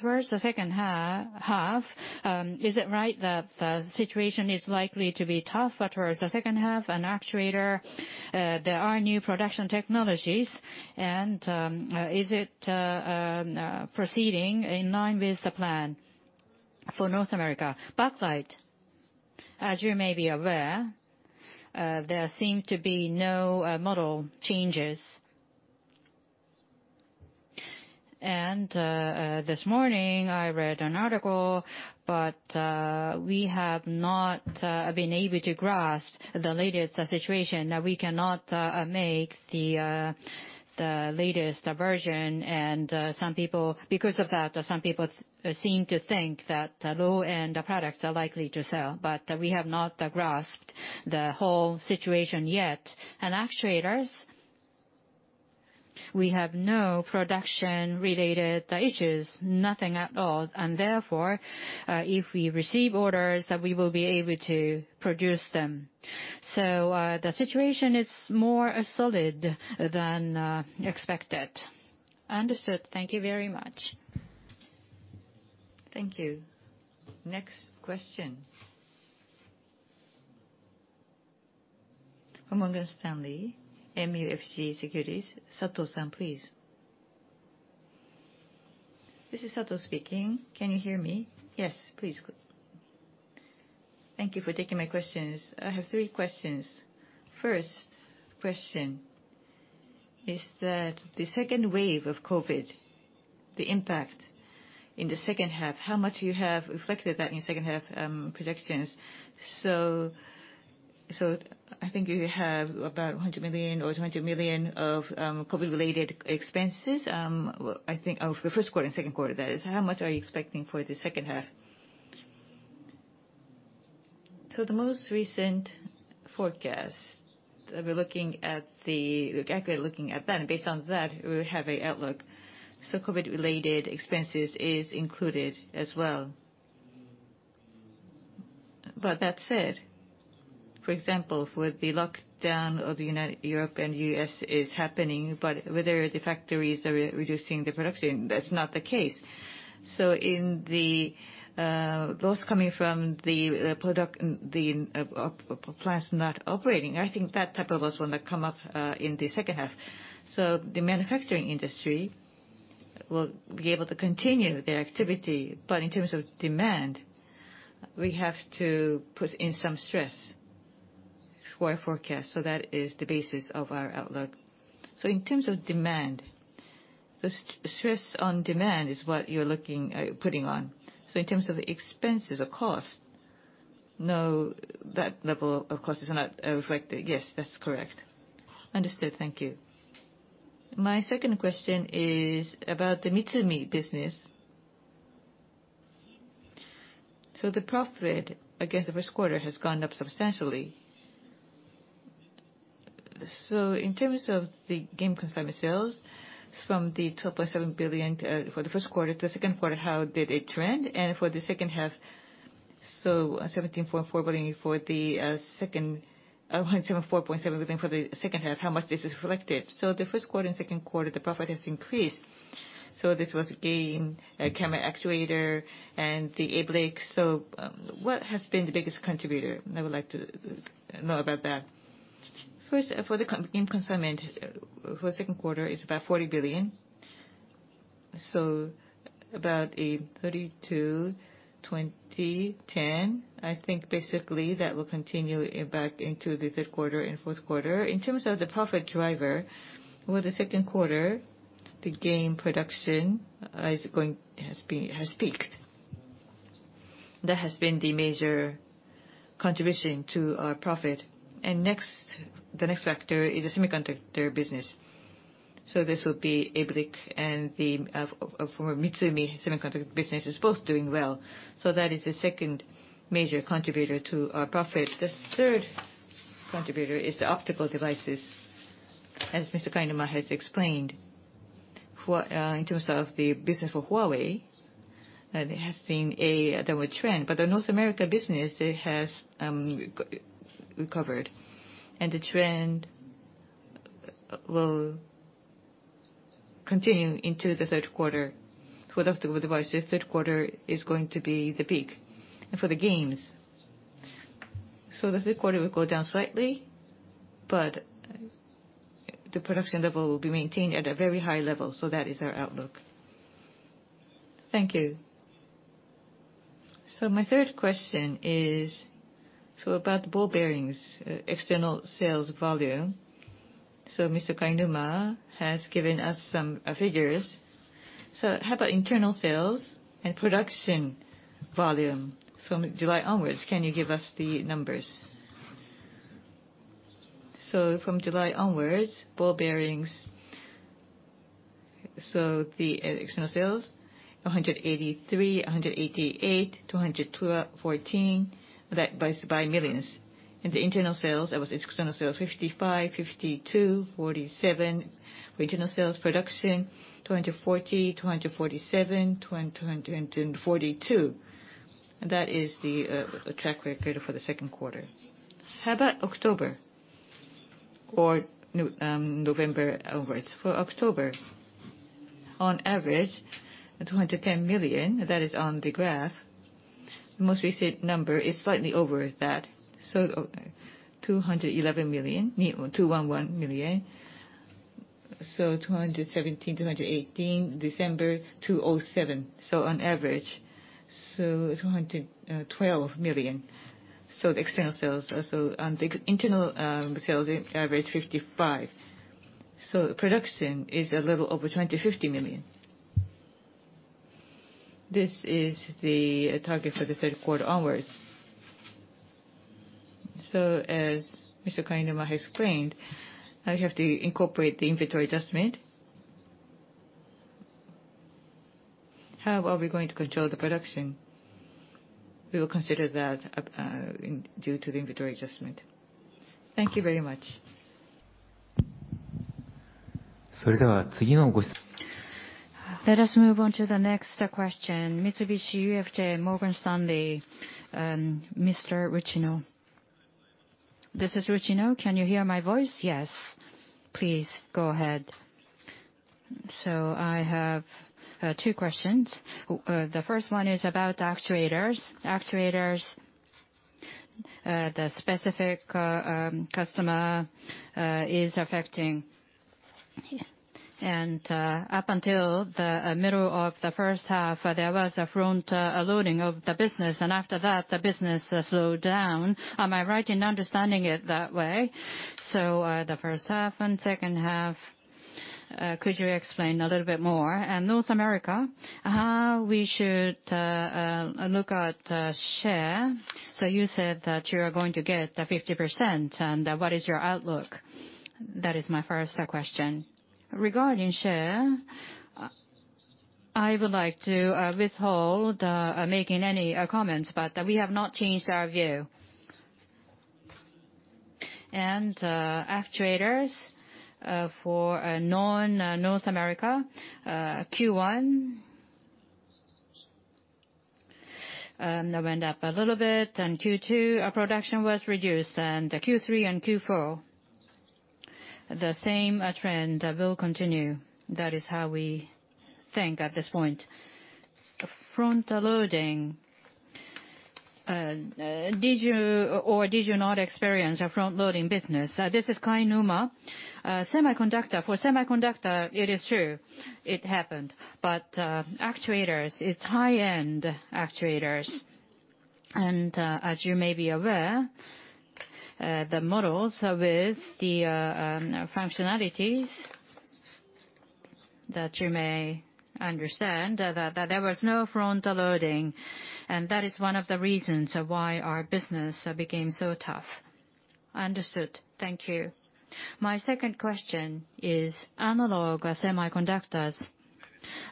towards the second half, is it right that the situation is likely to be tough towards the second half? Actuator, there are new production technologies, and is it proceeding in line with the plan for North America backlight? As you may be aware, there seem to be no model changes. This morning, I read an article, but we have not been able to grasp the latest situation. We cannot make the latest version, and because of that, some people seem to think that the low-end products are likely to sell. We have not grasped the whole situation yet. Actuators, we have no production-related issues, nothing at all. Therefore, if we receive orders, we will be able to produce them. The situation is more solid than expected. Understood. Thank you very much. Thank you. Next question. From Morgan Stanley MUFG Securities, Sato-san, please. This is Sato speaking. Can you hear me? Yes. Please go on. Thank you for taking my questions. I have three questions. First question is that the second wave of COVID-19, the impact in the second half, how much you have reflected that in second half projections? I think you have about 100 million or 200 million of COVID-related expenses, I think of the first quarter and second quarter, that is. How much are you expecting for the second half? The most recent forecast, we're exactly looking at that, and based on that, we have an outlook. COVID-related expenses is included as well. That said, for example, with the lockdown of Europe and U.S. is happening, but whether the factories are reducing the production, that's not the case. In those coming from the plants not operating, I think that type of loss will not come up in the second half. The manufacturing industry will be able to continue their activity. In terms of demand, we have to put in some stress for our forecast. That is the basis of our outlook. In terms of demand, the stress on demand is what you're putting on. In terms of the expenses or cost, no, that level of cost is not reflected. Yes, that's correct. Understood. Thank you. My second question is about the MITSUMI business. The profit against the first quarter has gone up substantially. In terms of the game console sales, from the 2.7 billion for the first quarter to the second quarter, how did it trend? For the second half, 174.7 billion for the second half, how much this is reflected? The first quarter and second quarter, the profit has increased. This was a game, camera actuators, and the ABLIC. What has been the biggest contributor? I would like to know about that. First, for the game console, for the second quarter, it's about 40 billion. About a 30 to 20 to 10. I think basically that will continue back into the third quarter and fourth quarter. In terms of the profit driver, for the second quarter, the game console production has peaked. That has been the major contribution to our profit. The next factor is the semiconductor business. This would be ABLIC and the former MITSUMI semiconductor business is both doing well. That is the second major contributor to our profit. The third contributor is the optical devices. As Mr. Kainuma has explained, in terms of the business for Huawei, it has seen a downward trend. The North America business has recovered, and the trend will continue into the third quarter. For the optical devices, third quarter is going to be the peak. For the games, the third quarter will go down slightly, but the production level will be maintained at a very high level. That is our outlook. Thank you. My third question is about ball bearings, external sales volume. Mr. Kainuma has given us some figures. How about internal sales and production volume from July onwards? Can you give us the numbers? From July onwards, ball bearings. The external sales, 183 million, JPY 188 million, JPY 214 million. The internal sales, that was external sales, 55 million, 52 million, 47 million. Regional sales production, 240 million, 247 million, 242 million. That is the track record for the second quarter. How about October or November onwards? For October, on average, 210 million. That is on the graph. The most recent number is slightly over that, 211 million. 217 million, 218 million. December, 207 million. On average, 212 million. The external sales. On the internal sales, average 55 million. Production is a little over 250 million. This is the target for the third quarter onwards. As Mr. Kainuma has explained, now we have to incorporate the inventory adjustment. How are we going to control the production? We will consider that due to the inventory adjustment. Thank you very much. Let us move on to the next question. Mitsubishi UFJ Morgan Stanley, Mr. [inaudible] This is. [inaudible] Can you hear my voice? Yes. Please go ahead. I have two questions. The first one is about actuators. Actuators, the specific customer is affecting. Up until the middle of the first half, there was a front loading of the business, and after that, the business slowed down. Am I right in understanding it that way? The first half and second half, could you explain a little bit more? North America, how we should look at share. You said that you are going to get the 50%, and what is your outlook? That is my first question. Regarding share, I would like to withhold making any comments, but we have not changed our view. Actuators for non-North America, Q1 went up a little bit, and Q2, our production was reduced. Q3 and Q4, the same trend will continue. That is how we think at this point. Front loading. Did you or did you not experience a front-loading business? This is Kainuma. Semiconductor. For semiconductor, it is true. It happened. Actuators, it's high-end actuators. As you may be aware, the models with the functionalities that you may understand, that there was no front loading, and that is one of the reasons why our business became so tough. Understood. Thank you. My second question is analog semiconductors.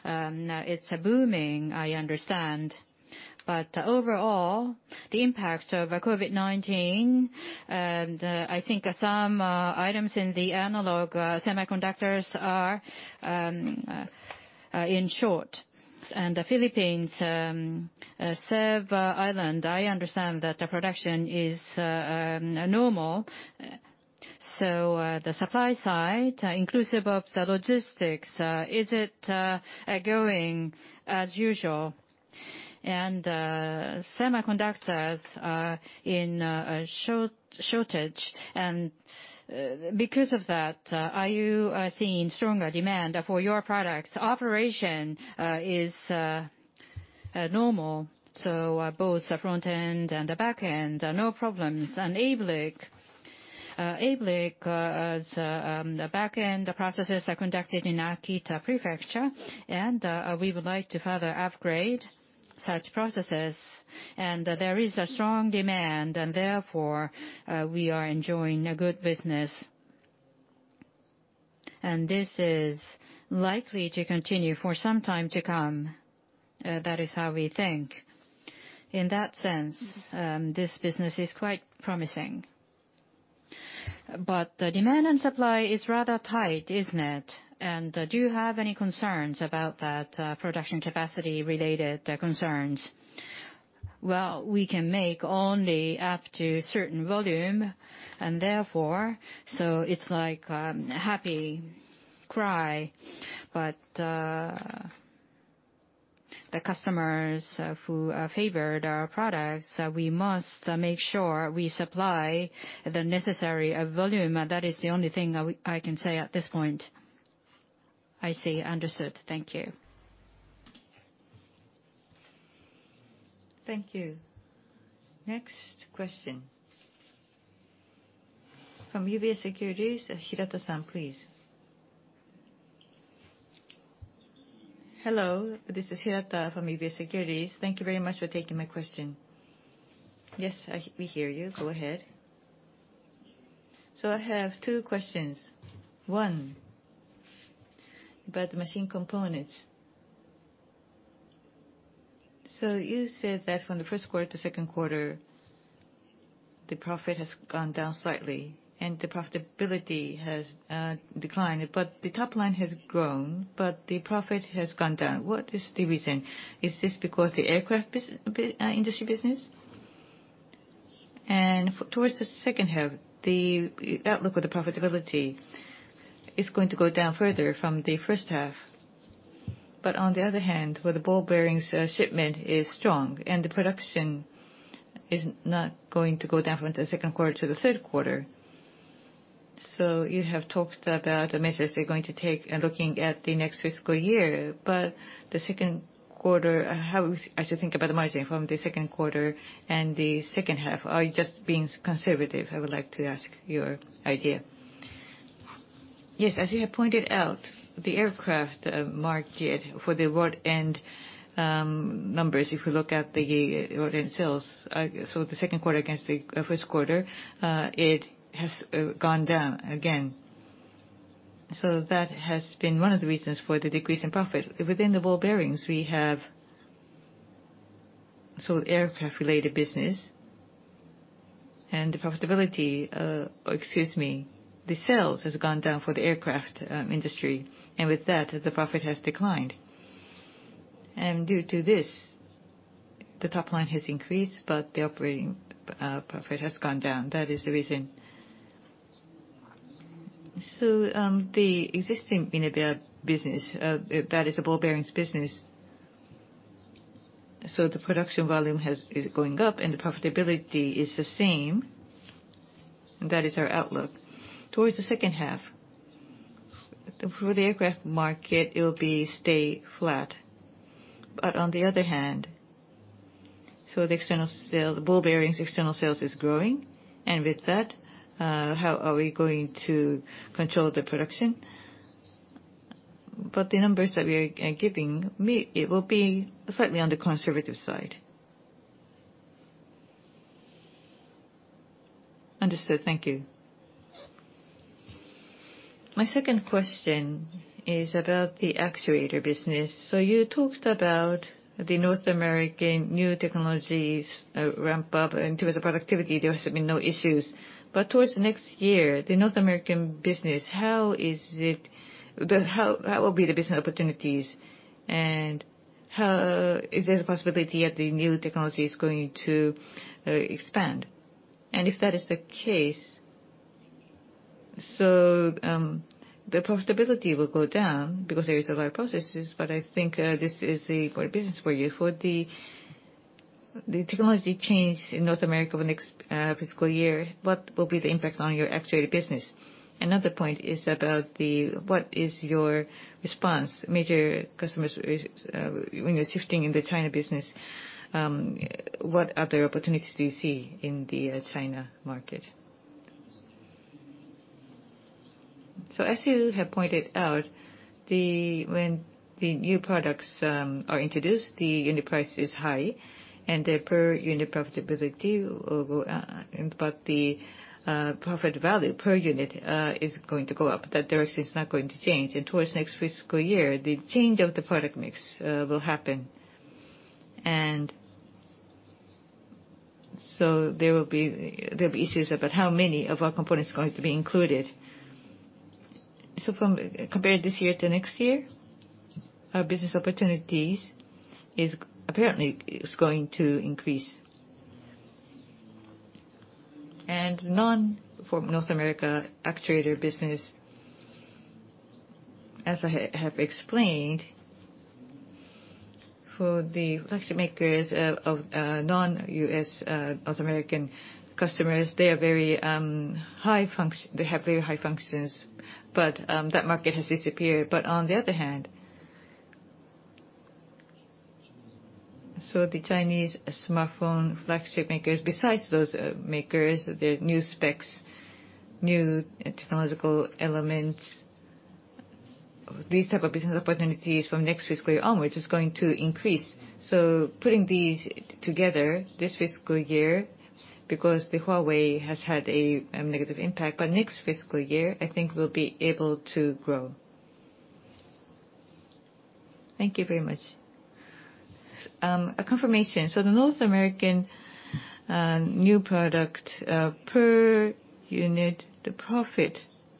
It's booming, I understand. Overall, the impact of COVID-19, I think some items in the analog semiconductors are in short. The Philippines, Cebu Island, I understand that the production is normal. The supply side, inclusive of the logistics, is it going as usual? Semiconductors are in shortage, and because of that, are you seeing stronger demand for your products? Operation is normal, so both the front-end and the back-end, no problems. ABLIC, the back-end processes are conducted in Akita Prefecture, and we would like to further upgrade such processes. There is a strong demand and therefore, we are enjoying a good business. This is likely to continue for some time to come. That is how we think. In that sense, this business is quite promising. The demand and supply is rather tight, isn't it? Do you have any concerns about that, production capacity-related concerns? Well, we can make only up to a certain volume, and therefore, it's like a happy cry. The customers who favored our products, we must make sure we supply the necessary volume. That is the only thing I can say at this point. I see. Understood. Thank you. Thank you. Next question. From UBS Securities, Hirata-san, please. Hello, this is Hirata from UBS Securities. Thank you very much for taking my question. Yes, we hear you. Go ahead. I have two questions. One, about the mechanical components. You said that from the first quarter to second quarter, the profit has gone down slightly and the profitability has declined, but the top line has grown, but the profit has gone down. What is the reason? Is this because the aircraft industry business? Towards the second half, the outlook for the profitability is going to go down further from the first half. On the other hand, where the ball bearings shipment is strong and the production is not going to go down from the second quarter to the third quarter. You have talked about the measures they're going to take and looking at the next fiscal year. The second quarter, how I should think about the margin from the second quarter and the second half? Are you just being conservative? I would like to ask your idea. Yes, as you have pointed out, the aircraft market for the rod-end numbers, if you look at the rod-end sales, the second quarter against the first quarter, it has gone down again. That has been one of the reasons for the decrease in profit. Within the ball bearings, we have aircraft-related business, the sales has gone down for the aircraft industry. With that, the profit has declined. Due to this, the top line has increased, the operating profit has gone down. That is the reason. The existing Minebea business, that is the ball bearings business. The production volume is going up, the profitability is the same. That is our outlook. Towards the second half, for the aircraft market, it will stay flat. On the other hand, the ball bearings external sales is growing. With that, how are we going to control the production? The numbers that we are giving, it will be slightly on the conservative side. Understood. Thank you. My second question is about the actuator business. You talked about the North American new technologies ramp up, and towards the productivity, there has been no issues. Towards next year, the North American business, how will be the business opportunities? Is there a possibility that the new technology is going to expand? If that is the case, the profitability will go down because there is a lot of processes, but I think this is a core business for you. For the technology change in North America over the next fiscal year, what will be the impact on your actuator business? Another point is about what is your response, major customers, when you're shifting in the China business, what other opportunities do you see in the China market? As you have pointed out, when the new products are introduced, the unit price is high, and the per unit profitability will go up. The profit value per unit is going to go up. That direction is not going to change. Towards next fiscal year, the change of the product mix will happen. There will be issues about how many of our components are going to be included. Compared this year to next year, our business opportunities are apparently going to increase. Non-North America actuator business, as I have explained, for the flagship makers of non-U.S., North American customers, they have very high functions, but that market has disappeared. On the other hand, the Chinese smartphone flagship makers, besides those makers, there are new specs, new technological elements. These type of business opportunities from next fiscal year onwards is going to increase. Putting these together, this fiscal year, because Huawei has had a negative impact, but next fiscal year, I think we'll be able to grow. Thank you very much. A confirmation. The North American new product, per unit, the profit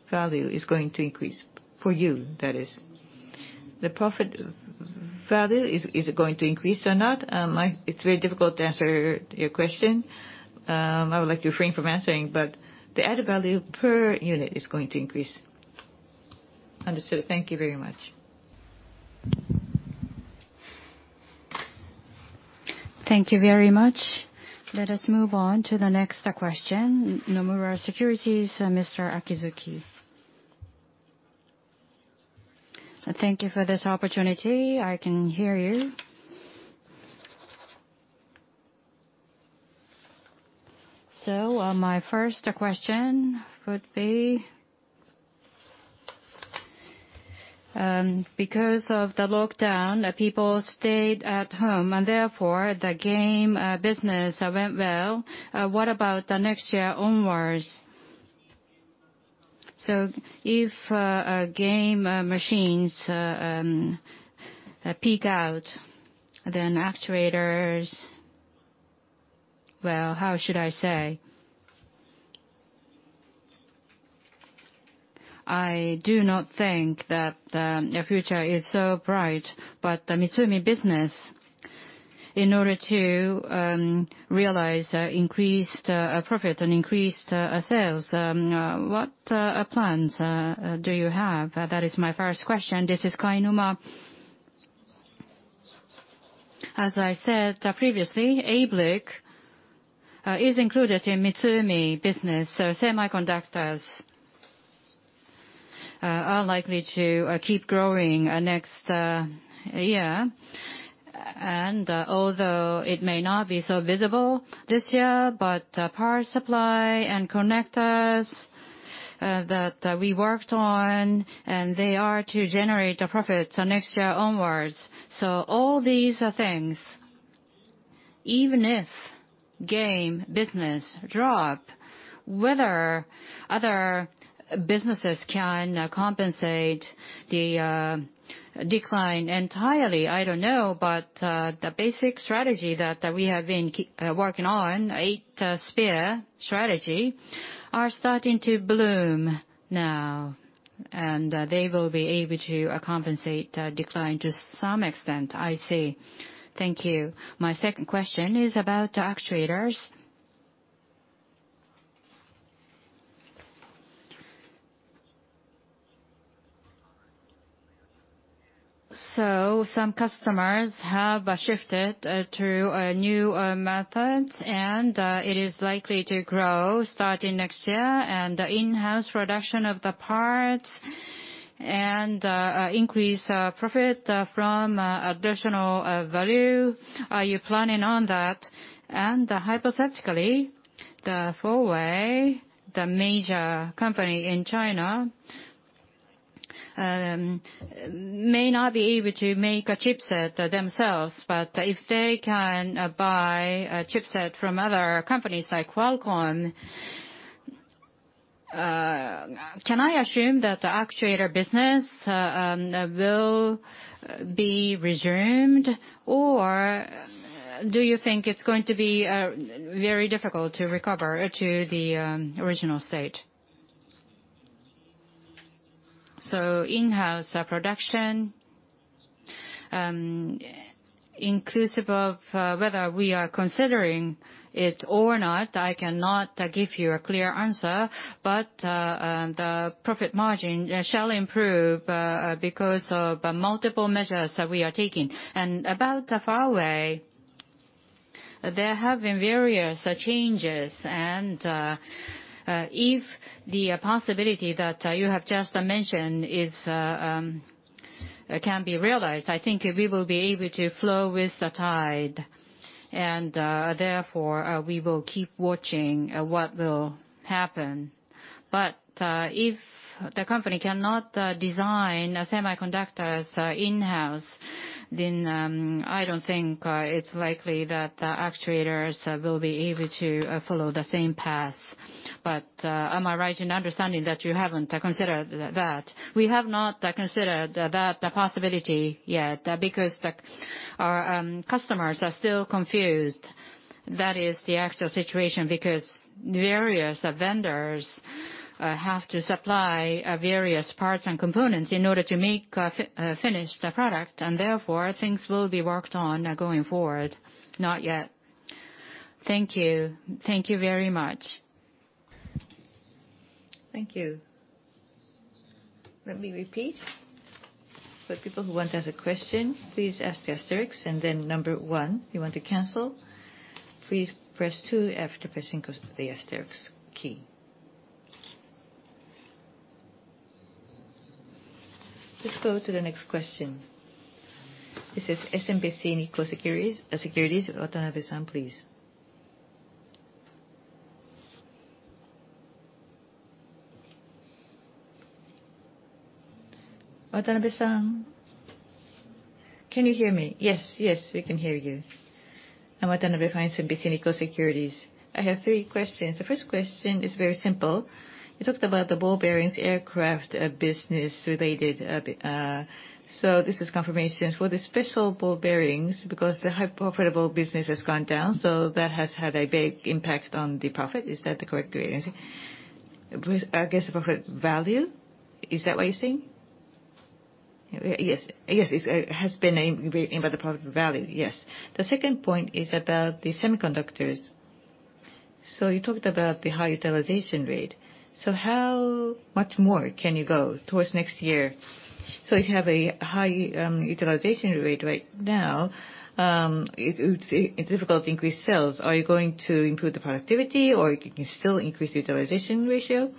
value is going to increase for you, that is. The profit value, is it going to increase or not? It's very difficult to answer your question. I would like to refrain from answering. The added value per unit is going to increase. Understood. Thank you very much. Thank you very much. Let us move on to the next question. Nomura Securities, Mr. Akizuki. Thank you for this opportunity. I can hear you. My first question would be, because of the lockdown, people stayed at home and therefore the game business went well. What about the next year onwards? If game machines peak out, then actuators, well, how should I say? I do not think that the future is so bright, the MITSUMI business, in order to realize increased profit and increased sales, what plans do you have? That is my first question. This is Kainuma. As I said previously, ABLIC is included in MITSUMI business, semiconductors are likely to keep growing next year. Although it may not be so visible this year, power supply and connectors that we worked on, they are to generate a profit next year onwards. All these things, even if game business drops, whether other businesses can compensate the decline entirely, I don't know. The basic strategy that we have been working on, Eight Spears strategy, are starting to bloom now, and they will be able to compensate decline to some extent, I say. Thank you. My second question is about actuators. Some customers have shifted to new methods, and it is likely to grow starting next year. In-house production of the parts and increase profit from additional value. Are you planning on that? Hypothetically, Huawei, the major company in China, may not be able to make a chipset themselves, but if they can buy a chipset from other companies like Qualcomm, can I assume that the actuator business will be resumed? Do you think it's going to be very difficult to recover to the original state? In-house production, inclusive of whether we are considering it or not, I cannot give you a clear answer, but the profit margin shall improve because of multiple measures that we are taking. About Huawei, there have been various changes, and if the possibility that you have just mentioned can be realized, I think we will be able to flow with the tide, and therefore we will keep watching what will happen. If the company cannot design semiconductors in-house, then I don't think it's likely that the actuators will be able to follow the same path. Am I right in understanding that you haven't considered that? We have not considered that possibility yet, because our customers are still confused. That is the actual situation, because various vendors have to supply various parts and components in order to make a finished product. Therefore, things will be worked on going forward, not yet. Thank you. Thank you very much. Thank you. Let me repeat. For people who want to ask questions, please press the asterisk and then number one. If you want to cancel, please press two after pressing the asterisk key. Let's go to the next question. This is SMBC Nikko Securities, Watanabe-san, please. Watanabe-san, can you hear me? Yes, we can hear you. I'm Watanabe from SMBC Nikko Securities. I have three questions. The first question is very simple. You talked about the ball bearings aircraft business related. This is confirmation. For the special ball bearings, because the high profitable business has gone down, that has had a big impact on the profit. Is that the correct way of saying? I guess, profit value. Is that what you're saying? Yes. It has been impact the profit value, yes. The second point is about the semiconductors. You talked about the high utilization rate. How much more can you go towards next year? If you have a high utilization rate right now, it's difficult to increase sales. Are you going to improve the productivity, or can you still increase the utilization ratio?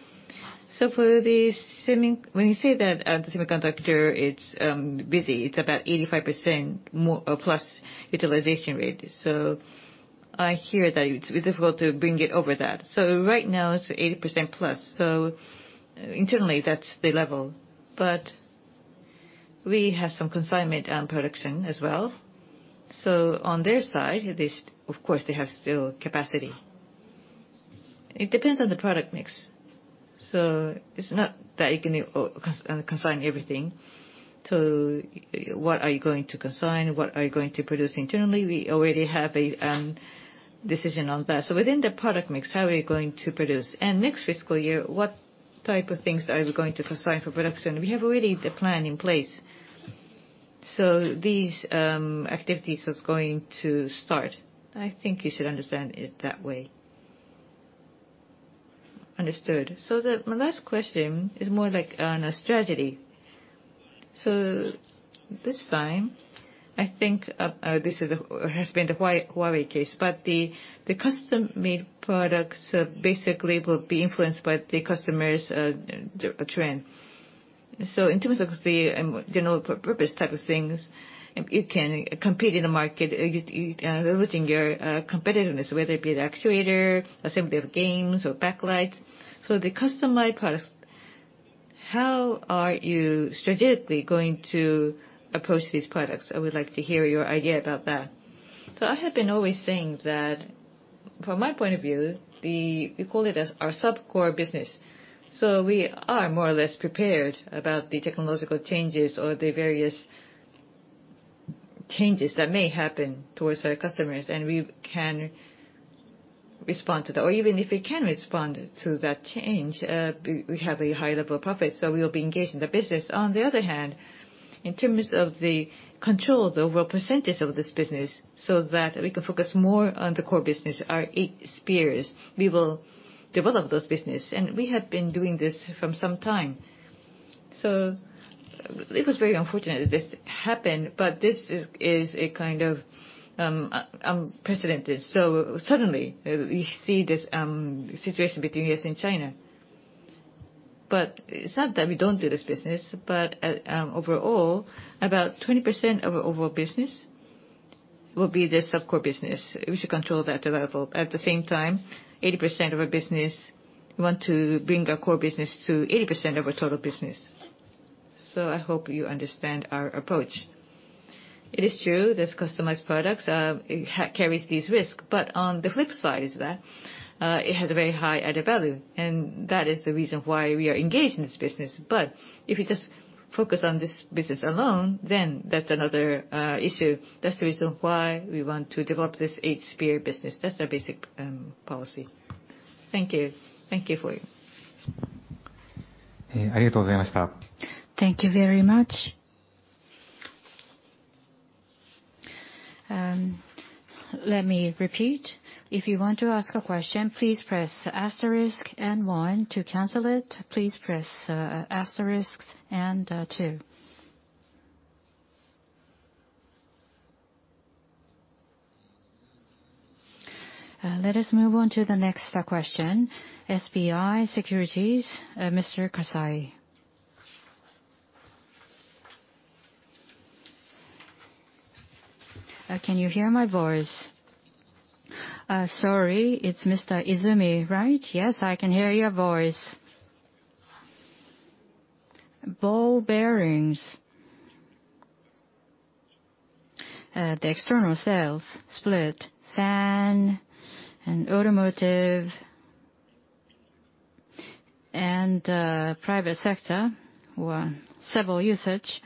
When you say that the semiconductor is busy, it's about 85%+ utilization rate. I hear that it's difficult to bring it over that. Right now, it's 80%+, so internally, that's the level. We have some consignment production as well. On their side, of course, they have still capacity. It depends on the product mix, so it's not that you can consign everything. What are you going to consign? What are you going to produce internally? We already have a decision on that. Within the product mix, how are we going to produce? Next fiscal year, what type of things are we going to consign for production? We have already the plan in place. These activities is going to start. I think you should understand it that way. Understood. My last question is more like on a strategy. This time, I think this has been the Huawei case, but the custom-made products basically will be influenced by the customer's trend. In terms of the general purpose type of things, you can compete in the market, leveraging your competitiveness, whether it be the actuator, assembly of games, or backlight. The customized products, how are you strategically going to approach these products? I would like to hear your idea about that. I have been always saying that from my point of view, we call it our sub-core business. We are more or less prepared about the technological changes or the various changes that may happen towards our customers, and we can respond to that. Even if we can respond to that change, we have a high level of profit, we will be engaged in the business. In terms of the control, the overall percentage of this business, we can focus more on the core business, our Eight Spears, we will develop those business. We have been doing this from some time. It was very unfortunate that this happened, this is a kind of unprecedented. Suddenly, we see this situation between U.S. and China. It's not that we don't do this business, overall, about 20% of our overall business will be the sub-core business. We should control that level. At the same time, 80% of our business, we want to bring our core business to 80% of our total business. I hope you understand our approach. It is true, this customized products, it carries this risk. On the flip side is that it has a very high added value, and that is the reason why we are engaged in this business. If you just focus on this business alone, then that's another issue. That's the reason why we want to develop this Eight Spears business. That's our basic policy. Thank you. Thank you for it. Thank you very much. Let me repeat. If you want to ask a question, please press asterisk and one. To cancel it, please press asterisk and two. Let us move on to the next question. SBI SBI Securities, Mr. Kasai. Can you hear my voice? Sorry, it's Mr. Izumi, right? Yes, I can hear your voice. Ball bearings. The external sales split, fan and automotive, and private sector were several usage.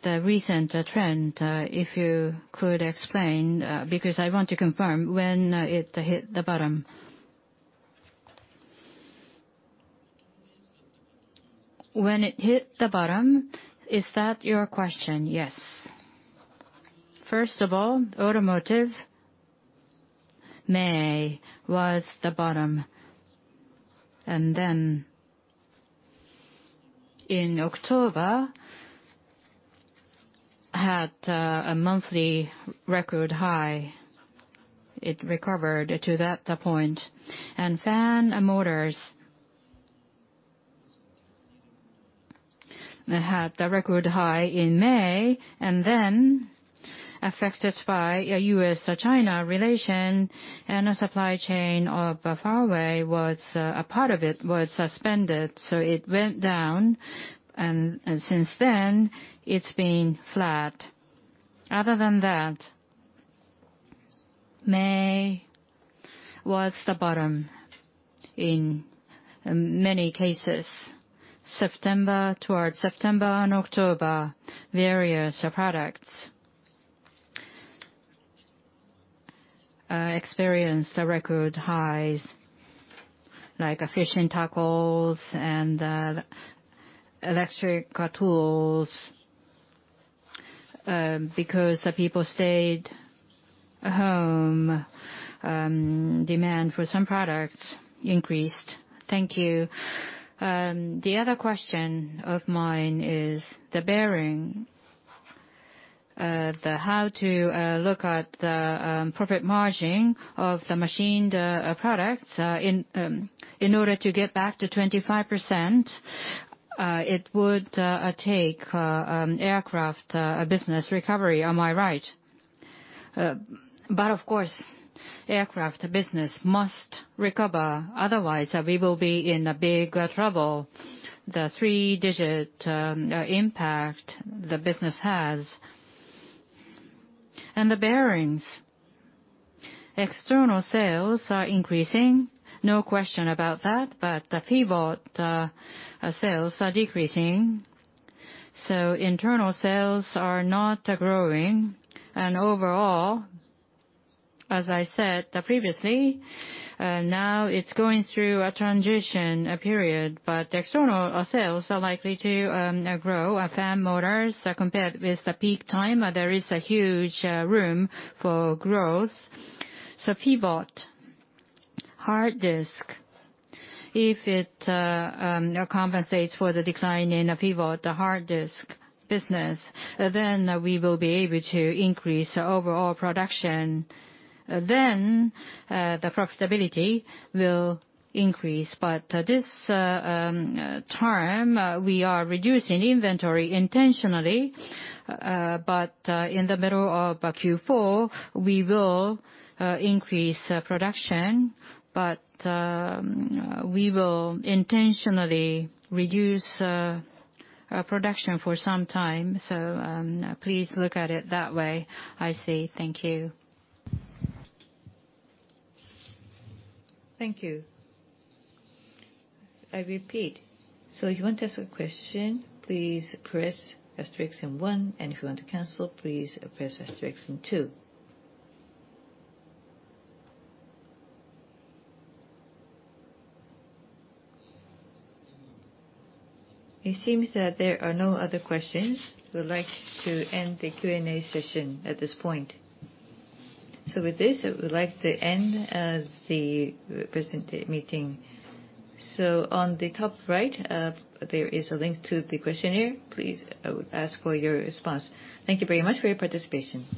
The recent trend, if you could explain, because I want to confirm when it hit the bottom. When it hit the bottom, is that your question? Yes. First of all, automotive, May was the bottom. Then in October, had a monthly record high. It recovered to that point. Fan motors had the record high in May and then affected by U.S. or China relation and a supply chain of Huawei, a part of it was suspended, so it went down, and since then it's been flat. Other than that, May was the bottom in many cases. Towards September and October, various products experienced record highs, like fishing tackles and electric tools. Because people stayed home, demand for some products increased. Thank you. The other question of mine is the bearing, how to look at the profit margin of the machined products. In order to get back to 25%, it would take aircraft business recovery. Am I right? Of course, aircraft business must recover, otherwise we will be in a big trouble. The three-digit impact the business has. The bearings, external sales are increasing. No question about that. Pivot sales are decreasing, so internal sales are not growing. Overall, as I said previously, now it's going through a transition period, but external sales are likely to grow. Fan motors, compared with the peak time, there is a huge room for growth. Pivot, hard disk, if it compensates for the decline in pivot, the hard disk business, then we will be able to increase overall production, then the profitability will increase. This term, we are reducing inventory intentionally. In the middle of Q4, we will increase production, but we will intentionally reduce production for some time. Please look at it that way. I see. Thank you. Thank you. I repeat. If you want to ask a question, please press asterisk and one, and if you want to cancel, please press asterisk and two. It seems that there are no other questions. We would like to end the Q&A session at this point. With this, I would like to end the meeting. On the top right, there is a link to the questionnaire. Please, I would ask for your response. Thank you very much for your participation.